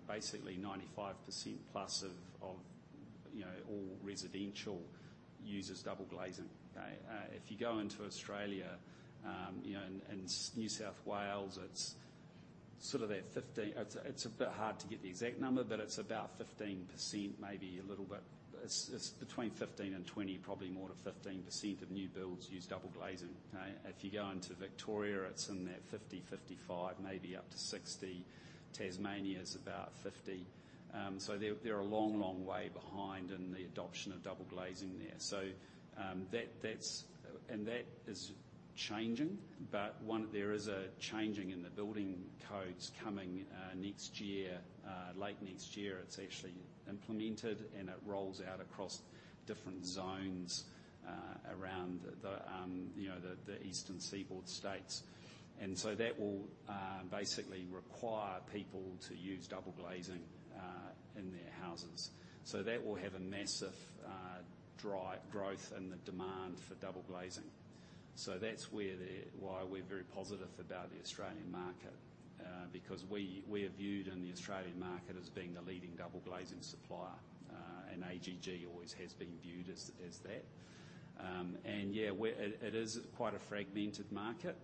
basically 95% plus of all residential uses double glazing. If you go into Australia, in New South Wales, it's a bit hard to get the exact number, but it's about 15% maybe a little bit. It's between 15 and 20, probably more to 15% of new builds use double glazing. If you go into Victoria, it's in that 50, 55, maybe up to 60. Tasmania is about 50. They're a long, long way behind in the adoption of double glazing there. That is changing, but there is a changing in the building codes coming next year, late next year. It's actually implemented, and it rolls out across different zones around the eastern seaboard states. That will basically require people to use double glazing in their houses. That will have a massive growth in the demand for double glazing. That's why we're very positive about the Australian market. Because we are viewed in the Australian market as being the leading double glazing supplier, and AGG always has been viewed as that. Yeah, it is quite a fragmented market.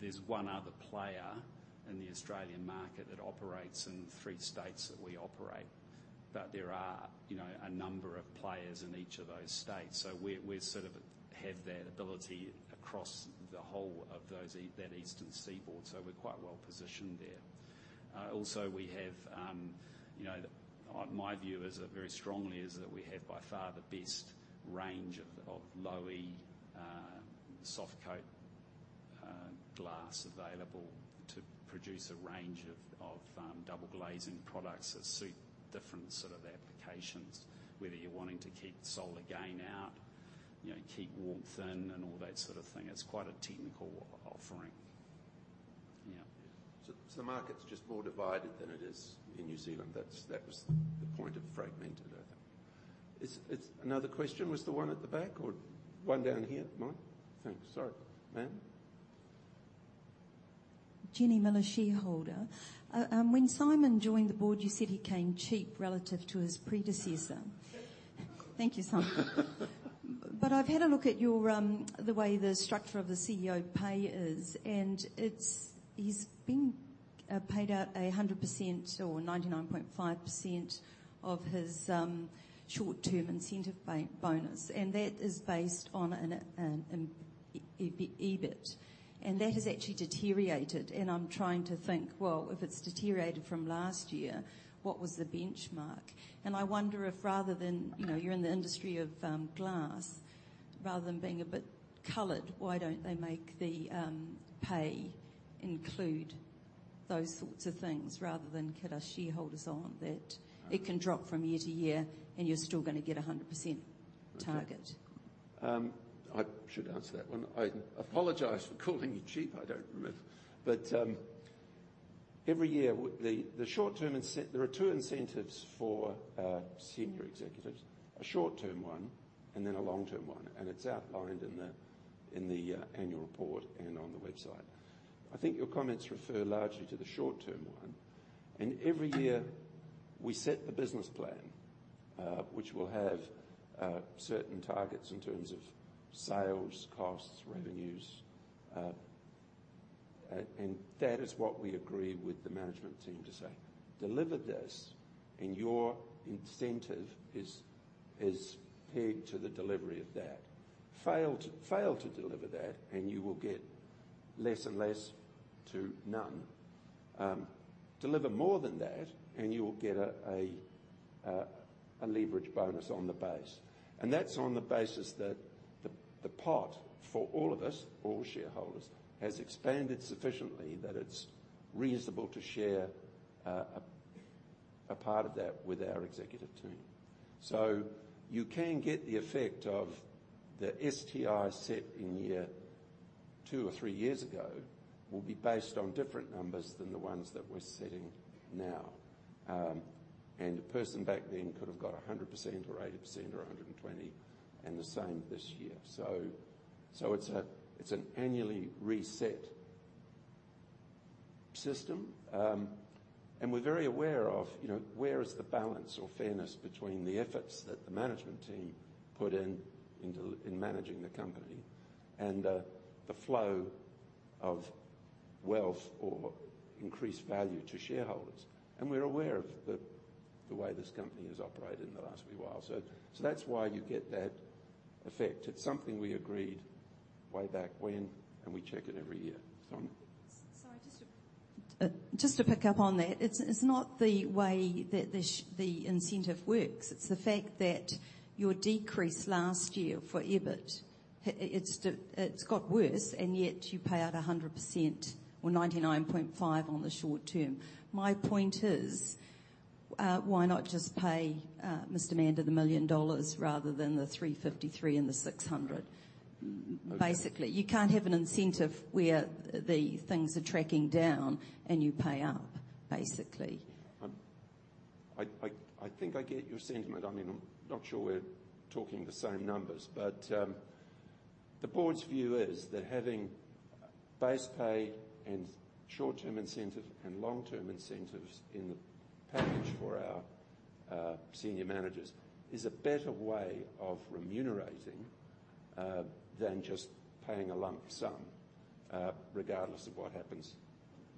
There's one other player in the Australian market that operates in three states that we operate. But there are a number of players in each of those states. We sort of have that ability across the whole of that eastern seaboard. We're quite well positioned there. Also we have, my view is, very strongly is that we have by far the best range of Low-E soft coat glass available to produce a range of double glazing products that suit different sort of applications, whether you're wanting to keep solar gain out, keep warmth in and all that sort of thing. It's quite a technical offering. Yeah. The market's just more divided than it is in New Zealand. That was the point of fragmented, I think. Another question was the one at the back or one down here. Mike? Thanks. Sorry. Ma'am. Jenny Miller, shareholder. When Simon joined the board, you said he came cheap relative to his predecessor. Thank you, Simon. I've had a look at the way the structure of the CEO pay is, and he's been paid out 100% or 99.5% of his short-term incentive bonus, and that is based on an EBIT. That has actually deteriorated, and I'm trying to think, well, if it's deteriorated from last year, what was the benchmark? I wonder if rather than, you're in the industry of glass, rather than being a bit colored, why don't they make the pay include those sorts of things rather than kid us shareholders on that it can drop from year to year, and you're still going to get 100% target? I should answer that one. I apologize for calling you cheap. I don't remember. Every year, there are two incentives for senior executives, a short-term one and then a long-term one, and it's outlined in the annual report and on the website. I think your comments refer largely to the short-term one. Every year we set the business plan, which will have certain targets in terms of sales, costs, revenues. That is what we agree with the management team to say, "Deliver this, and your incentive is pegged to the delivery of that. Fail to deliver that, and you will get less and less to none. Deliver more than that, and you will get a leverage bonus on the base. That's on the basis that the pot for all of us, all shareholders, has expanded sufficiently that it's reasonable to share a part of that with our executive team. You can get the effect of the STI set in year two or three years ago, will be based on different numbers than the ones that we're setting now. A person back then could have got 100% or 80% or 120%, and the same this year. It's an annually reset system. We're very aware of where is the balance or fairness between the efforts that the management team put in in managing the company and the flow of wealth or increased value to shareholders. We're aware of the way this company has operated in the last wee while. That's why you get that effect. It's something we agreed way back when, and we check it every year. Simon? Sorry, just to pick up on that. It is not the way that the incentive works. It is the fact that your decrease last year for EBIT, it has got worse, and yet you pay out 100% or 99.5% on the short term. My point is, why not just pay Mr. Mander the 1 million dollars rather than the 353 and the 600? Okay. Basically, you can't have an incentive where the things are tracking down and you pay up, basically. I think I get your sentiment. I'm not sure we're talking the same numbers. The board's view is that having base pay and short-term incentives and long-term incentives in the package for our senior managers is a better way of remunerating than just paying a lump sum regardless of what happens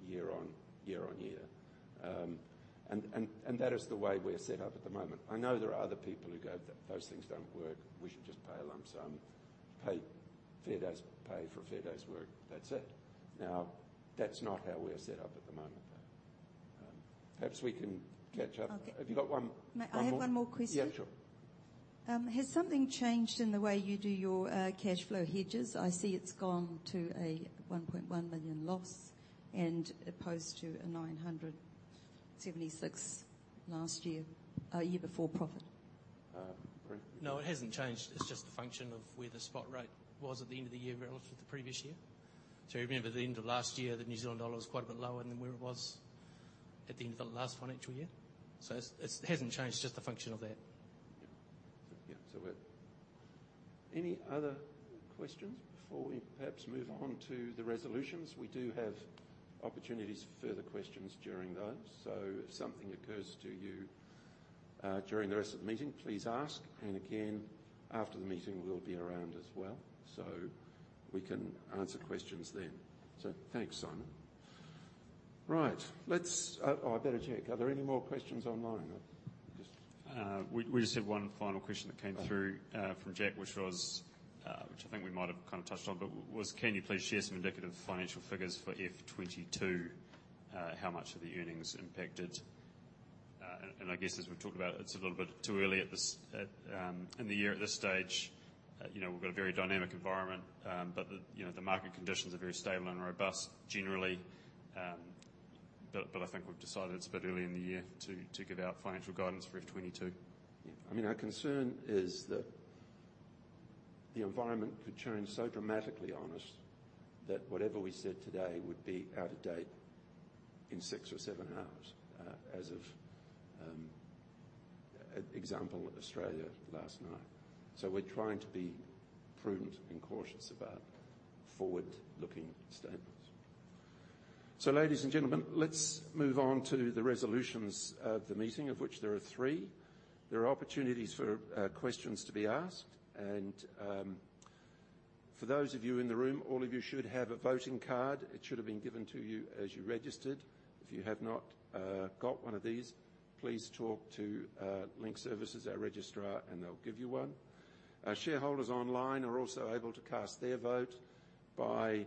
year on year. That is the way we're set up at the moment. I know there are other people who go, "Those things don't work. We should just pay a lump sum. Pay a fair day's pay for a fair day's work. That's it." That's not how we are set up at the moment, though. Perhaps we can catch up. Okay. Have you got one more? May I have one more question? Yeah, sure. Has something changed in the way you do your cash flow hedges? I see it's gone to a 1.1 million loss opposed to a 976 last year before profit. Brent? No, it hasn't changed. It's just a function of where the spot rate was at the end of the year relative to the previous year. You remember at the end of last year, the New Zealand dollar was quite a bit lower than where it was at the end of the last financial year. It hasn't changed, just a function of that. Yeah. Any other questions before we perhaps move on to the resolutions? We do have opportunities for further questions during those. If something occurs to you during the rest of the meeting, please ask. Again, after the meeting, we'll be around as well, so we can answer questions then. Thanks, Simon. Right. I better check. Are there any more questions online? We just have one final question that came through from Jack, which I think we might have kind of touched on, but was, "Can you please share some indicative financial figures for FY 2022? How much are the earnings impacted?" I guess as we've talked about, it's a little bit too early in the year at this stage. We've got a very dynamic environment, but the market conditions are very stable and robust generally. I think we've decided it's a bit early in the year to give out financial guidance for FY 2022. Yeah. Our concern is that the environment could change so dramatically on us that whatever we said today would be out of date in six or seven hours as of example, Australia last night. We're trying to be prudent and cautious about forward-looking statements. Ladies and gentlemen, let's move on to the resolutions of the meeting, of which there are 3. There are opportunities for questions to be asked. For those of you in the room, all of you should have a voting card. It should have been given to you as you registered. If you have not got one of these, please talk to Link Market Services, our registrar, and they'll give you one. Shareholders online are also able to cast their vote by,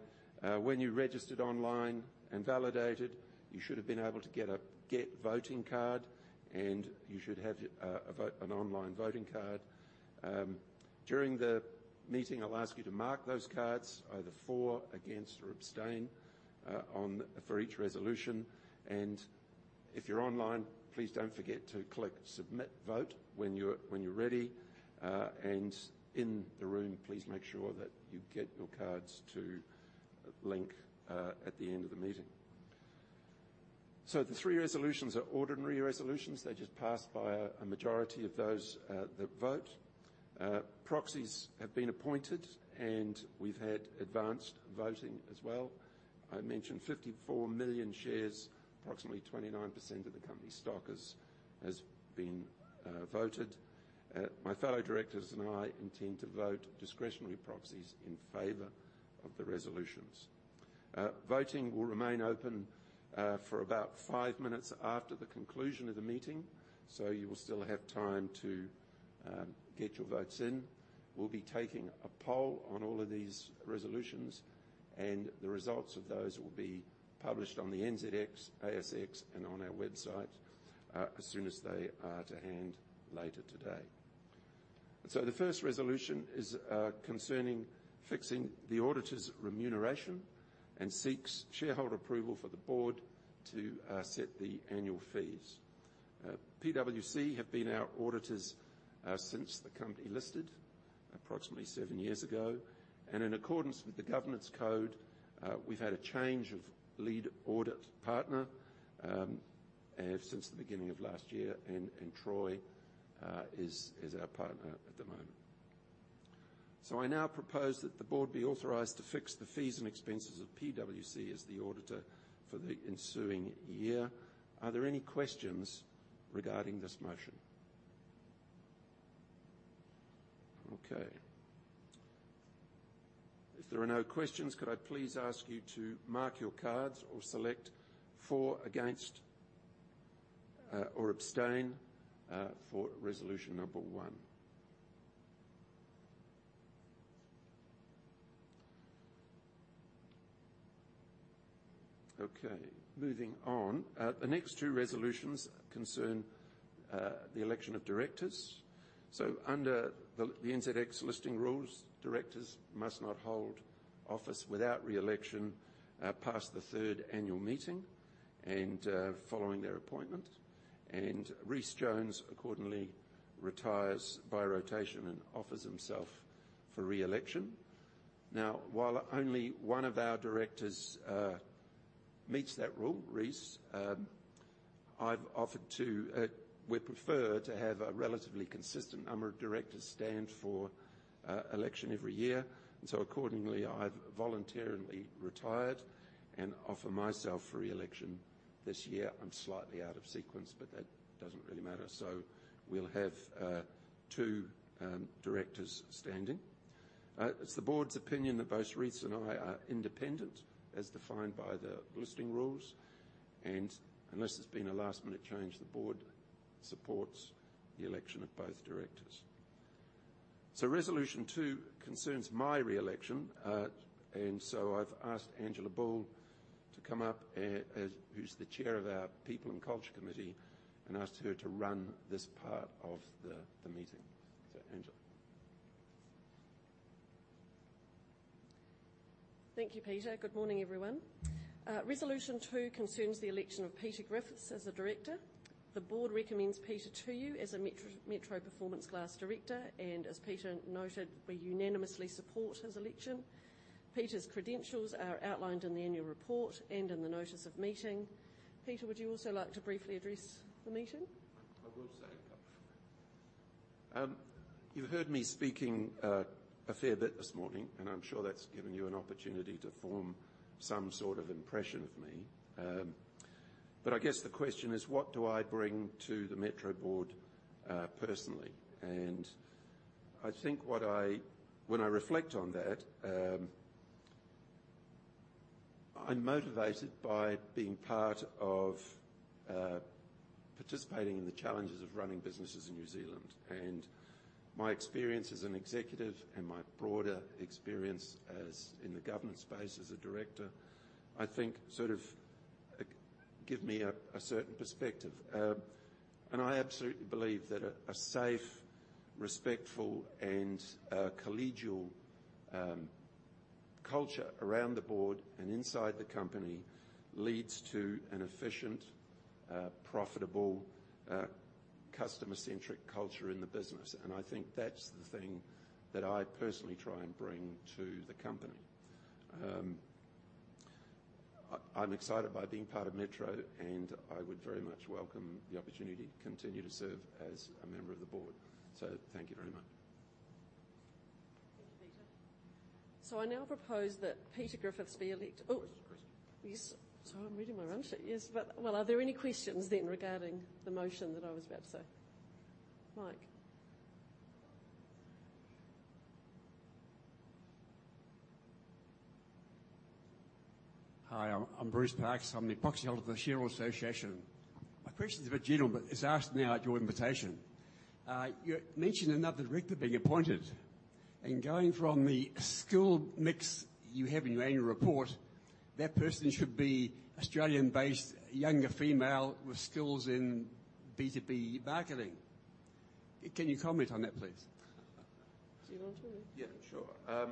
when you registered online and validated, you should have been able to get a get voting card, and you should have an online voting card. During the meeting, I'll ask you to mark those cards either for, against, or abstain for each resolution. If you're online, please don't forget to click submit vote when you're ready. In the room, please make sure that you get your cards to link at the end of the meeting. The three resolutions are ordinary resolutions. They're just passed by a majority of those that vote. Proxies have been appointed, and we've had advanced voting as well. I mentioned 54 million shares, approximately 29% of the company's stock has been voted. My fellow directors and I intend to vote discretionary proxies in favor of the resolutions. Voting will remain open for about five minutes after the conclusion of the meeting, so you will still have time to get your votes in. We'll be taking a poll on all of these resolutions, and the results of those will be published on the NZX, ASX, and on our website as soon as they are to hand later today. The first resolution is concerning fixing the auditor's remuneration and seeks shareholder approval for the board to set the annual fees. PwC have been our auditors since the company listed approximately seven years ago. In accordance with the governance code, we've had a change of lead audit partner since the beginning of last year, and Troy is our partner at the moment. I now propose that the board be authorized to fix the fees and expenses of PwC as the auditor for the ensuing year. Are there any questions regarding this motion? Okay. If there are no questions, could I please ask you to mark your cards or select for, against, or abstain for resolution number one? Okay. Moving on. The next two resolutions concern the election of directors. Under the NZX listing rules, directors must not hold office without re-election past the third annual meeting and following their appointment. Rhys Jones accordingly retires by rotation and offers himself for re-election. While only one of our directors meets that rule, Rhys, we prefer to have a relatively consistent number of directors stand for election every year, accordingly, I've voluntarily retired and offer myself for re-election this year. I'm slightly out of sequence, but that doesn't really matter. We'll have two directors standing. It's the board's opinion that both Rhys and I are independent as defined by the Listing Rules. Unless there's been a last-minute change, the board supports the election of both directors. Resolution 2 concerns my re-election, and so I've asked Angela Bull to come up, who's the chair of our People and Culture Committee, and asked her to run this part of the meeting. Angela. Thank you, Peter. Good morning, everyone. Resolution 2 concerns the election of Peter Griffiths as a director. The board recommends Peter to you as a Metro Performance Glass director. As Peter noted, we unanimously support his election. Peter's credentials are outlined in the annual report and in the notice of meeting. Peter, would you also like to briefly address the meeting? I will say a couple things. You heard me speaking a fair bit this morning, and I'm sure that's given you an opportunity to form some sort of impression of me. I guess the question is, what do I bring to the Metro Board personally? I think when I reflect on that, I'm motivated by being part of participating in the challenges of running businesses in New Zealand. My experience as an executive and my broader experience in the governance space as a director, I think sort of give me a certain perspective. I absolutely believe that a safe, respectful, and collegial culture around the board and inside the company leads to an efficient, profitable, customer-centric culture in the business. I think that's the thing that I personally try and bring to the company. I'm excited by being part of Metro, I would very much welcome the opportunity to continue to serve as a member of the board. Thank you very much. Thank you, Peter. I now propose that Peter Griffiths be. There's a question. Yes. Sorry, I'm reading my run sheet. Yes, are there any questions then regarding the motion that I was about to say? Mike. Hi, I'm Bruce Parkes. I'm the proxy holder to the New Zealand Shareholders Association. My question's a bit general, but it's asked now at your invitation. You mentioned another director being appointed, and going from the skill mix you have in your annual report, that person should be Australian-based, younger female with skills in B2B marketing. Can you comment on that, please? Do you want to? Yeah, sure.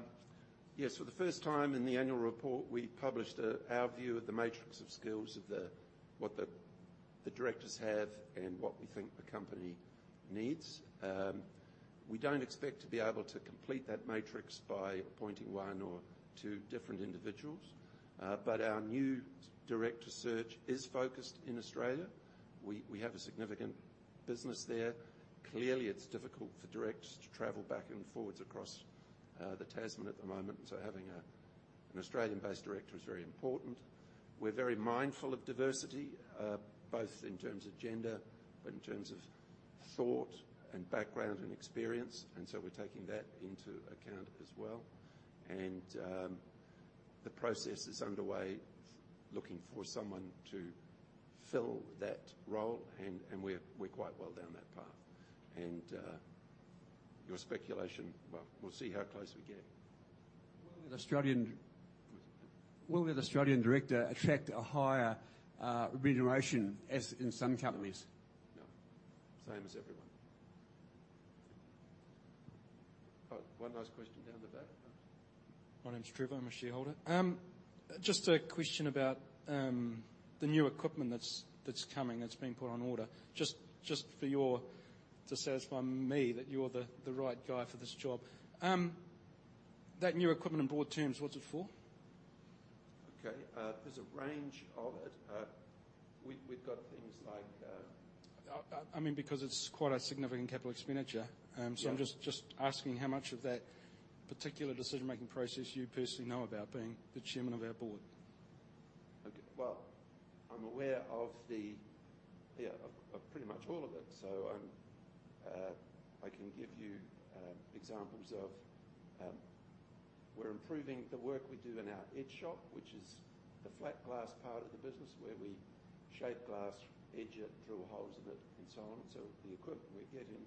Yes, for the first time in the annual report, we published our view of the matrix of skills of what the directors have and what we think the company needs. We don't expect to be able to complete that matrix by appointing one or two different individuals. Our new director search is focused in Australia. We have a significant business there. Clearly, it's difficult for directors to travel back and forwards across the Tasman at the moment, so having an Australian-based director is very important. We're very mindful of diversity, both in terms of gender, but in terms of thought and background and experience, we're taking that into account as well. The process is underway, looking for someone to fill that role, and we're quite well down that path. Your speculation, well, we'll see how close we get. Will the Australian director attract a higher remuneration as in some companies? No. Same as everyone. Oh, one last question down the back. My name's Trevor. I'm a shareholder. Just a question about the new equipment that's coming, that's been put on order. Just to satisfy me that you're the right guy for this job. That new equipment, in broad terms, what's it for? Okay. There's a range of it. We've got things. I mean, because it's quite a significant capital expenditure. Yeah. I'm just asking how much of that particular decision-making process you personally know about being the chairman of our board. Well, I'm aware of pretty much all of it. I can give you examples of we're improving the work we do in our edge shop, which is the flat glass part of the business where we shape glass, edge it, drill holes in it, and so on. The equipment we're getting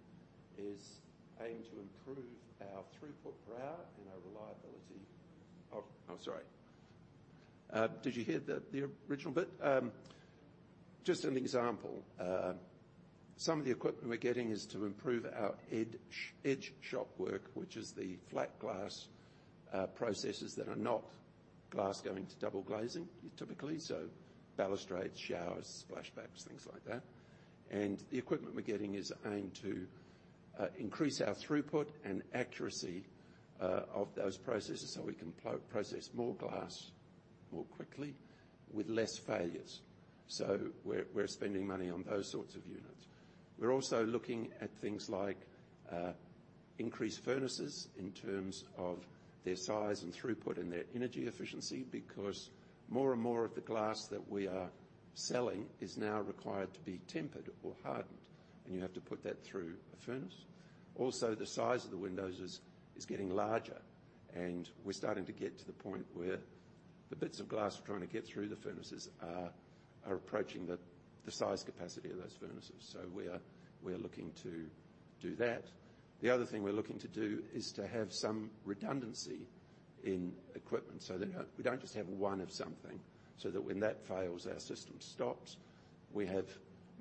is aimed to improve our throughput per hour and our reliability of Oh, I'm sorry. Did you hear the original bit? Just an example. Some of the equipment we're getting is to improve our edge shop work, which is the flat glass processes that are not glass going to double glazing, typically. Balustrades, showers, splashbacks, things like that. The equipment we're getting is aimed to increase our throughput and accuracy of those processes so we can process more glass more quickly with less failures. We're spending money on those sorts of units. We're also looking at things like increased furnaces in terms of their size and throughput and their energy efficiency, because more and more of the glass that we are selling is now required to be tempered or hardened, and you have to put that through a furnace. The size of the windows is getting larger, and we're starting to get to the point where the bits of glass we're trying to get through the furnaces are approaching the size capacity of those furnaces. We are looking to do that. The other thing we're looking to do is to have some redundancy in equipment, so that we don't just have one of something so that when that fails, our system stops. We have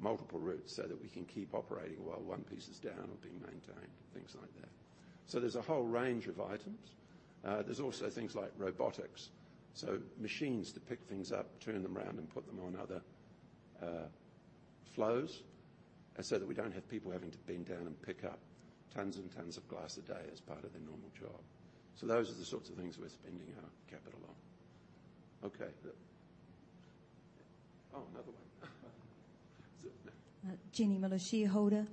multiple routes so that we can keep operating while one piece is down or being maintained, things like that. There's a whole range of items. There's also things like robotics, so machines to pick things up, turn them around, and put them on other flows so that we don't have people having to bend down and pick up tons and tons of glass a day as part of their normal job. Those are the sorts of things we're spending our capital on. Okay. Another one. Jenny Miller, shareholder.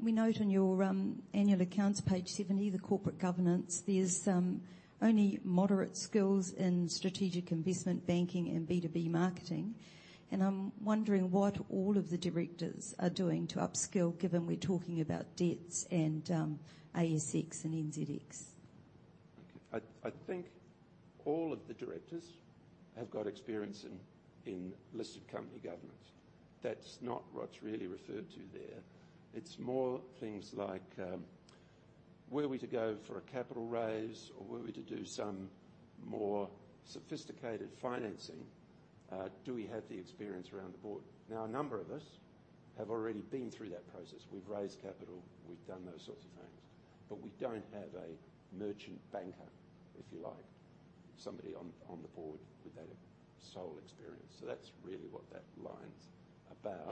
We note on your annual accounts, page 70, the corporate governance, there's only moderate skills in strategic investment banking and B2B marketing. I'm wondering what all of the directors are doing to upskill, given we're talking about debts and ASX and NZX. Okay. I think all of the directors have got experience in listed company governance. That's not what's really referred to there. It's more things like, were we to go for a capital raise or were we to do some more sophisticated financing, do we have the experience around the board? Now, a number of us have already been through that process. We've raised capital. We've done those sorts of things, but we don't have a merchant banker, if you like, somebody on the board with that sole experience. That's really what that line's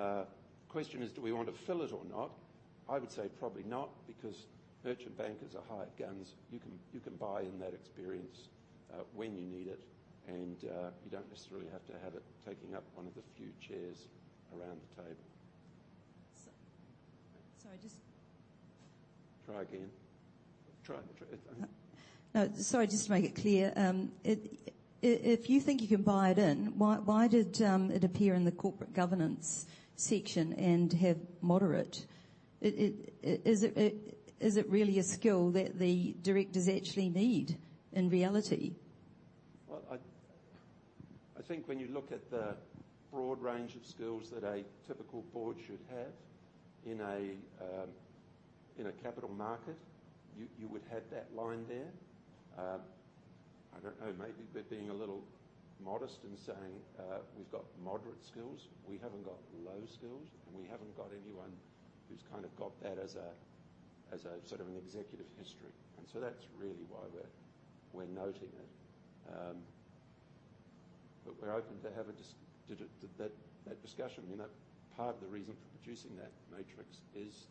about. Question is, do we want to fill it or not? I would say probably not because merchant bankers are hired guns. You can buy in that experience when you need it, and you don't necessarily have to have it taking up one of the few chairs around the table. Sorry. Try again. Try. No, sorry, just to make it clear. If you think you can buy it in, why did it appear in the corporate governance section and have moderate? Is it really a skill that the directors actually need in reality? I think when you look at the broad range of skills that a typical board should have in a capital market, you would have that line there. I don't know, maybe we're being a little modest in saying we've got moderate skills. We haven't got low skills, and we haven't got anyone who's kind of got that as a sort of an executive history. That's really why we're noting it. We're open to have that discussion. Part of the reason for producing that matrix is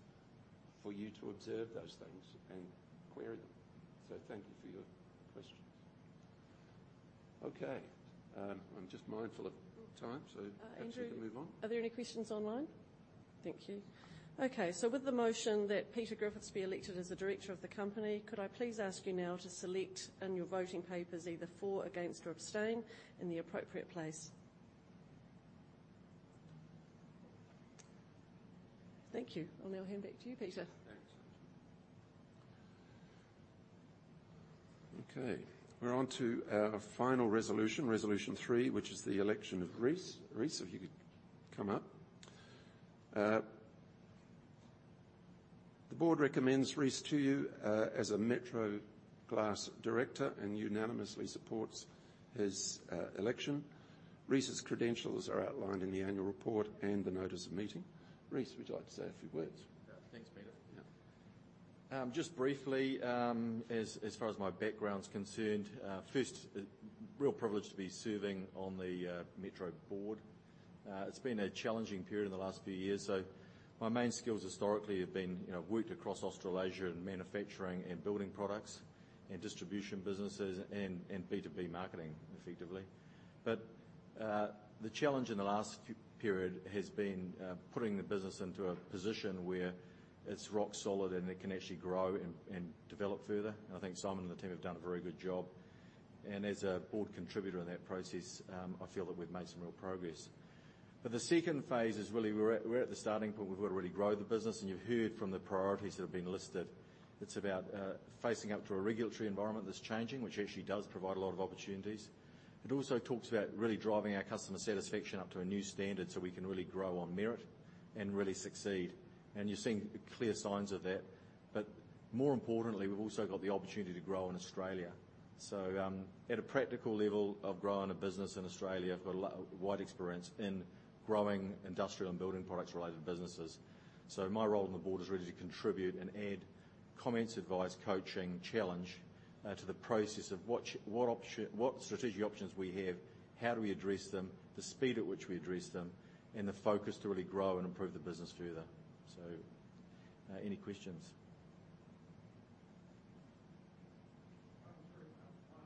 for you to observe those things and query them. Thank you for your question. Okay. I'm just mindful of time, so hopefully we can move on. Andrew, are there any questions online? Thank you. With the motion that Peter Griffiths be elected as a director of the company, could I please ask you now to select on your voting papers either for, against, or abstain in the appropriate place. Thank you. I'll now hand back to you, Peter. Thanks. Okay. We're onto our final Resolution 3, which is the election of Rhys. Rhys, if you could come up. The board recommends Rhys to you as a Metro Glass director and unanimously supports his election. Rhys' credentials are outlined in the annual report and the notice of meeting. Rhys, would you like to say a few words? Yeah. Thanks, Peter. Yeah. Just briefly, as far as my background's concerned, first, a real privilege to be serving on the Metro board. It's been a challenging period in the last few years. My main skills historically have been I've worked across Australasia in manufacturing and building products and distribution businesses and B2B marketing effectively. The challenge in the last period has been putting the business into a position where it's rock solid and it can actually grow and develop further, and I think Simon and the team have done a very good job. As a board contributor in that process, I feel that we've made some real progress. The second phase is really we're at the starting point where we've got to really grow the business, and you've heard from the priorities that have been listed. It's about facing up to a regulatory environment that's changing, which actually does provide a lot of opportunities. It also talks about really driving our customer satisfaction up to a new standard so we can really grow on merit and really succeed. You're seeing clear signs of that. More importantly, we've also got the opportunity to grow in Australia. At a practical level of growing a business in Australia, I've got a wide experience in growing industrial and building products-related businesses. My role on the board is really to contribute and add comments, advice, coaching, challenge, to the process of what strategic options we have, how do we address them, the speed at which we address them, and the focus to really grow and improve the business further. Any questions? I'm very fine.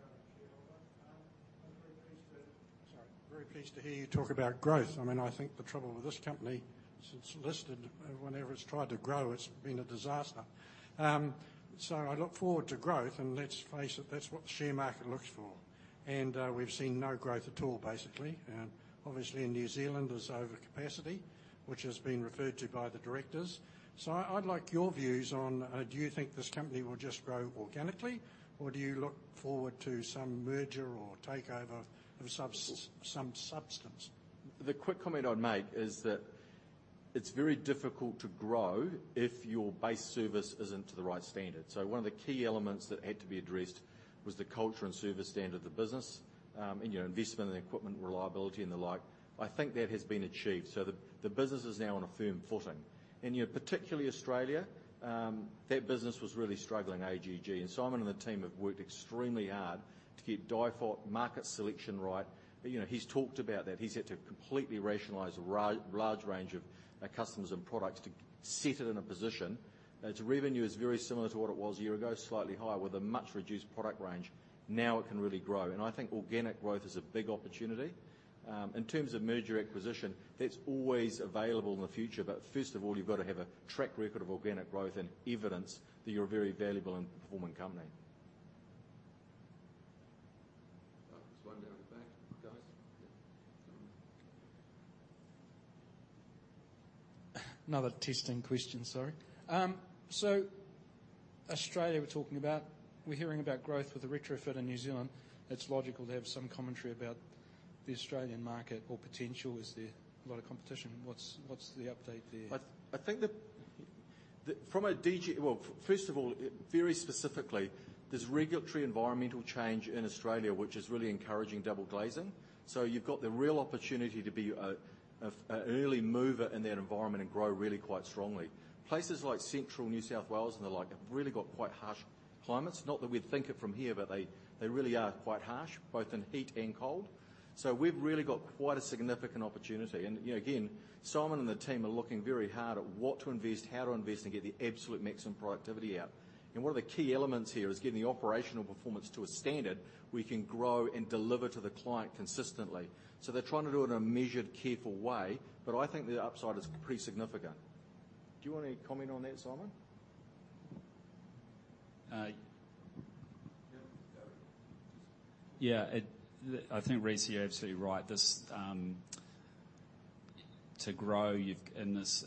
I'm a shareholder. I'm very pleased to hear you talk about growth. I think the trouble with this company since it listed, whenever it's tried to grow, it's been a disaster. I look forward to growth, and let's face it, that's what the share market looks for. We've seen no growth at all, basically. Obviously, in New Zealand, there's overcapacity, which has been referred to by the directors. I'd like your views on do you think this company will just grow organically, or do you look forward to some merger or takeover of some substance? The quick comment I'd make is that it's very difficult to grow if your base service isn't to the right standard. One of the key elements that had to be addressed was the culture and service standard of the business, and your investment in the equipment reliability and the like. I think that has been achieved. The business is now on a firm footing. Particularly Australia, that business was really struggling, AGG. Simon and the team have worked extremely hard to get <inaudible> right. He's talked about that. He's had to completely rationalize a large range of customers and products to set it in a position. Its revenue is very similar to what it was a year ago, slightly higher, with a much reduced product range. Now it can really grow. I think organic growth is a big opportunity. In terms of merger acquisition, that's always available in the future. First of all, you've got to have a track record of organic growth and evidence that you're a very valuable and performing company. There's one down at the back. Guys? Yeah. Simon. Another testing question, sorry? Australia, we're talking about. We're hearing about growth with the retrofit in New Zealand. It's logical to have some commentary about the Australian market or potential. Is there a lot of competition? What's the update there? Well, first of all, very specifically, there's regulatory environmental change in Australia, which is really encouraging double glazing. You've got the real opportunity to be an early mover in that environment and grow really quite strongly. Places like Central New South Wales and the like have really got quite harsh climates. Not that we'd think it from here, but they really are quite harsh, both in heat and cold. We've really got quite a significant opportunity. Again, Simon and the team are looking very hard at what to invest, how to invest, and get the absolute maximum productivity out. One of the key elements here is getting the operational performance to a standard we can grow and deliver to the client consistently. They're trying to do it in a measured, careful way, but I think the upside is pretty significant. Do you want to comment on that, Simon? Yeah. David. Yeah. I think Rhys, you're absolutely right. To grow in this,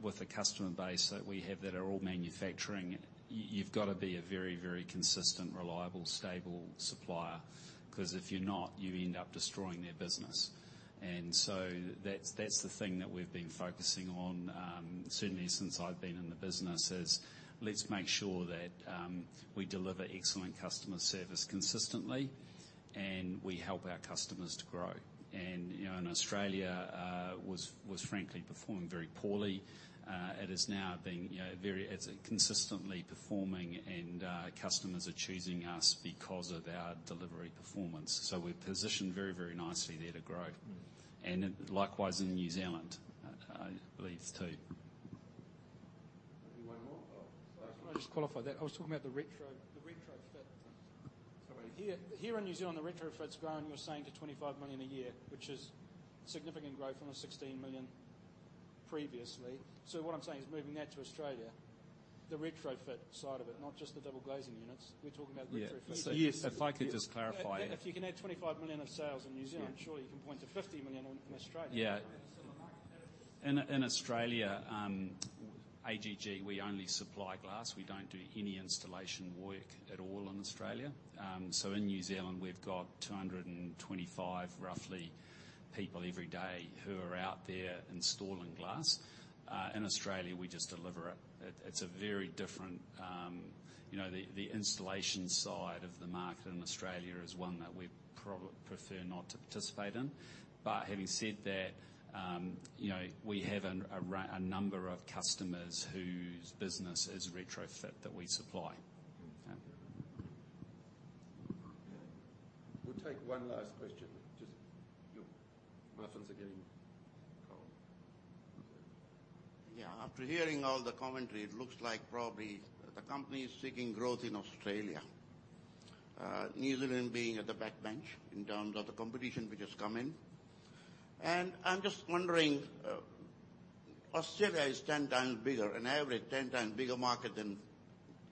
with the customer base that we have that are all manufacturing, you've got to be a very consistent, reliable, stable supplier, because if you're not, you end up destroying their business. That's the thing that we've been focusing on, certainly since I've been in the business, is let's make sure that we deliver excellent customer service consistently and we help our customers to grow. Australia was frankly performing very poorly. It is now being very consistently performing, and customers are choosing us because of our delivery performance. We're positioned very nicely there to grow. Likewise in New Zealand, I believe too. Maybe one more? Oh. Can I just qualify that? I was talking about the retrofit. Sorry. Here in New Zealand, the retrofit's growing, you were saying, to 25 million a year, which is significant growth from the 16 million previously. What I'm saying is moving that to Australia, the retrofit side of it, not just the double glazing units. We're talking about the retrofit side. Yes. If I could just clarify. If you can add 25 million of sales in New Zealand Yeah I'm sure you can point to 50 million in Australia. Yeah. It's a similar market. In Australia, AGG, we only supply glass. We don't do any installation work at all in Australia. In New Zealand, we've got 225, roughly, people every day who are out there installing glass. In Australia, we just deliver it. It's very different. The installation side of the market in Australia is one that we'd prefer not to participate in. Having said that, we have a number of customers whose business is retrofit that we supply. Yeah. We'll take one last question. Just Your muffins are getting cold. Yeah. After hearing all the commentary, it looks like probably the company is seeking growth in Australia. New Zealand being at the back bench in terms of the competition which has come in. I'm just wondering, Australia is 10x bigger, on average, 10x bigger market than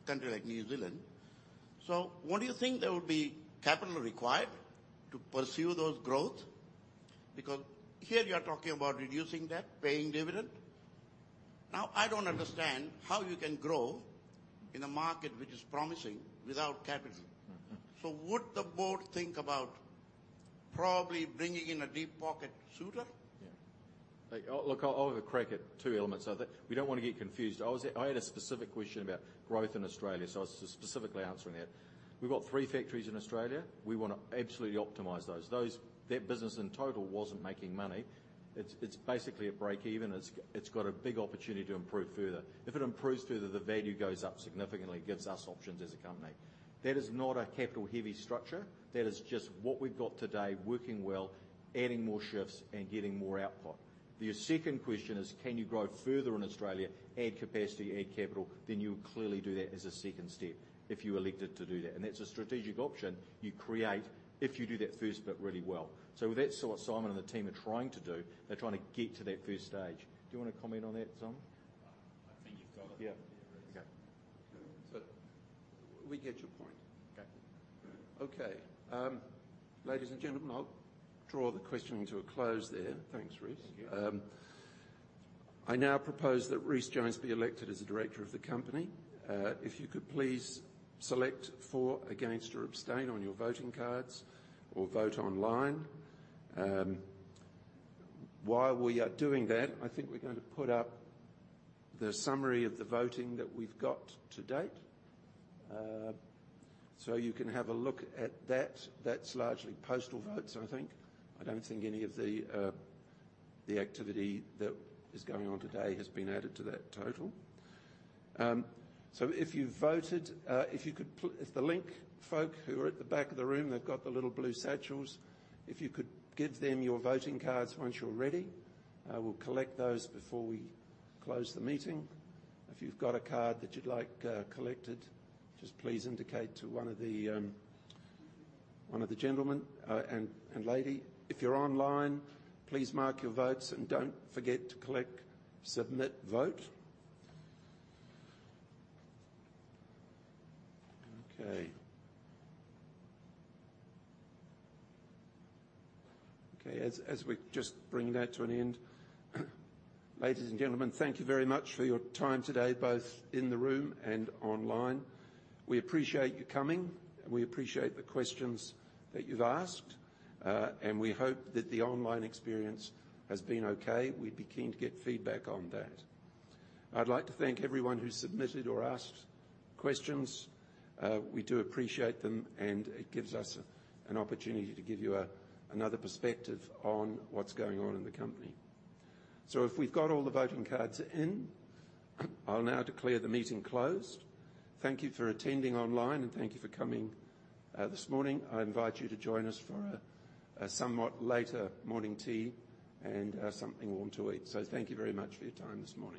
country like New Zealand. What do you think there would be capital required to pursue those growth? Because here you are talking about reducing debt, paying dividend. I don't understand how you can grow in a market which is promising without capital. Would the board think about probably bringing in a deep pocket suitor? Yeah. Look, I'll have a crack at two elements. I think we don't want to get confused. I had a specific question about growth in Australia, so I was specifically answering that. We've got three factories in Australia. We want to absolutely optimize those. That business in total wasn't making money. It's basically a break even. It's got a big opportunity to improve further. If it improves further, the value goes up significantly, gives us options as a company. That is not a capital-heavy structure. That is just what we've got today working well, adding more shifts, and getting more output. Your second question is, can you grow further in Australia, add capacity, add capital, then you clearly do that as a second step if you elected to do that. That's a strategic option you create if you do that first bit really well. That's what Simon and the team are trying to do. They're trying to get to that first stage. Do you want to comment on that, Simon? I think you've got it. Yeah. Okay. We get your point. Okay. Okay. Ladies and gentlemen, I'll draw the questioning to a close there. Thanks, Rhys. Thank you. I now propose that Rhys Jones be elected as a director of the company. If you could please select for, against, or abstain on your voting cards or vote online. While we are doing that, I think we're going to put up the summary of the voting that we've got to date. You can have a look at that. That's largely postal votes, I think. I don't think any of the activity that is going on today has been added to that total. If you've voted, if the Link folk who are at the back of the room, they've got the little blue satchels. If you could give them your voting cards once you're ready. We'll collect those before we close the meeting. If you've got a card that you'd like collected, just please indicate to one of the gentlemen and lady. If you're online, please mark your votes and don't forget to click Submit Vote. Okay, as we just bring that to an end, ladies and gentlemen, thank you very much for your time today, both in the room and online. We appreciate you coming, and we appreciate the questions that you've asked. We hope that the online experience has been okay. We'd be keen to get feedback on that. I'd like to thank everyone who submitted or asked questions. We do appreciate them, and it gives us an opportunity to give you another perspective on what's going on in the company. If we've got all the voting cards in, I'll now declare the meeting closed. Thank you for attending online, and thank you for coming this morning. I invite you to join us for a somewhat later morning tea and something warm to eat. Thank you very much for your time this morning.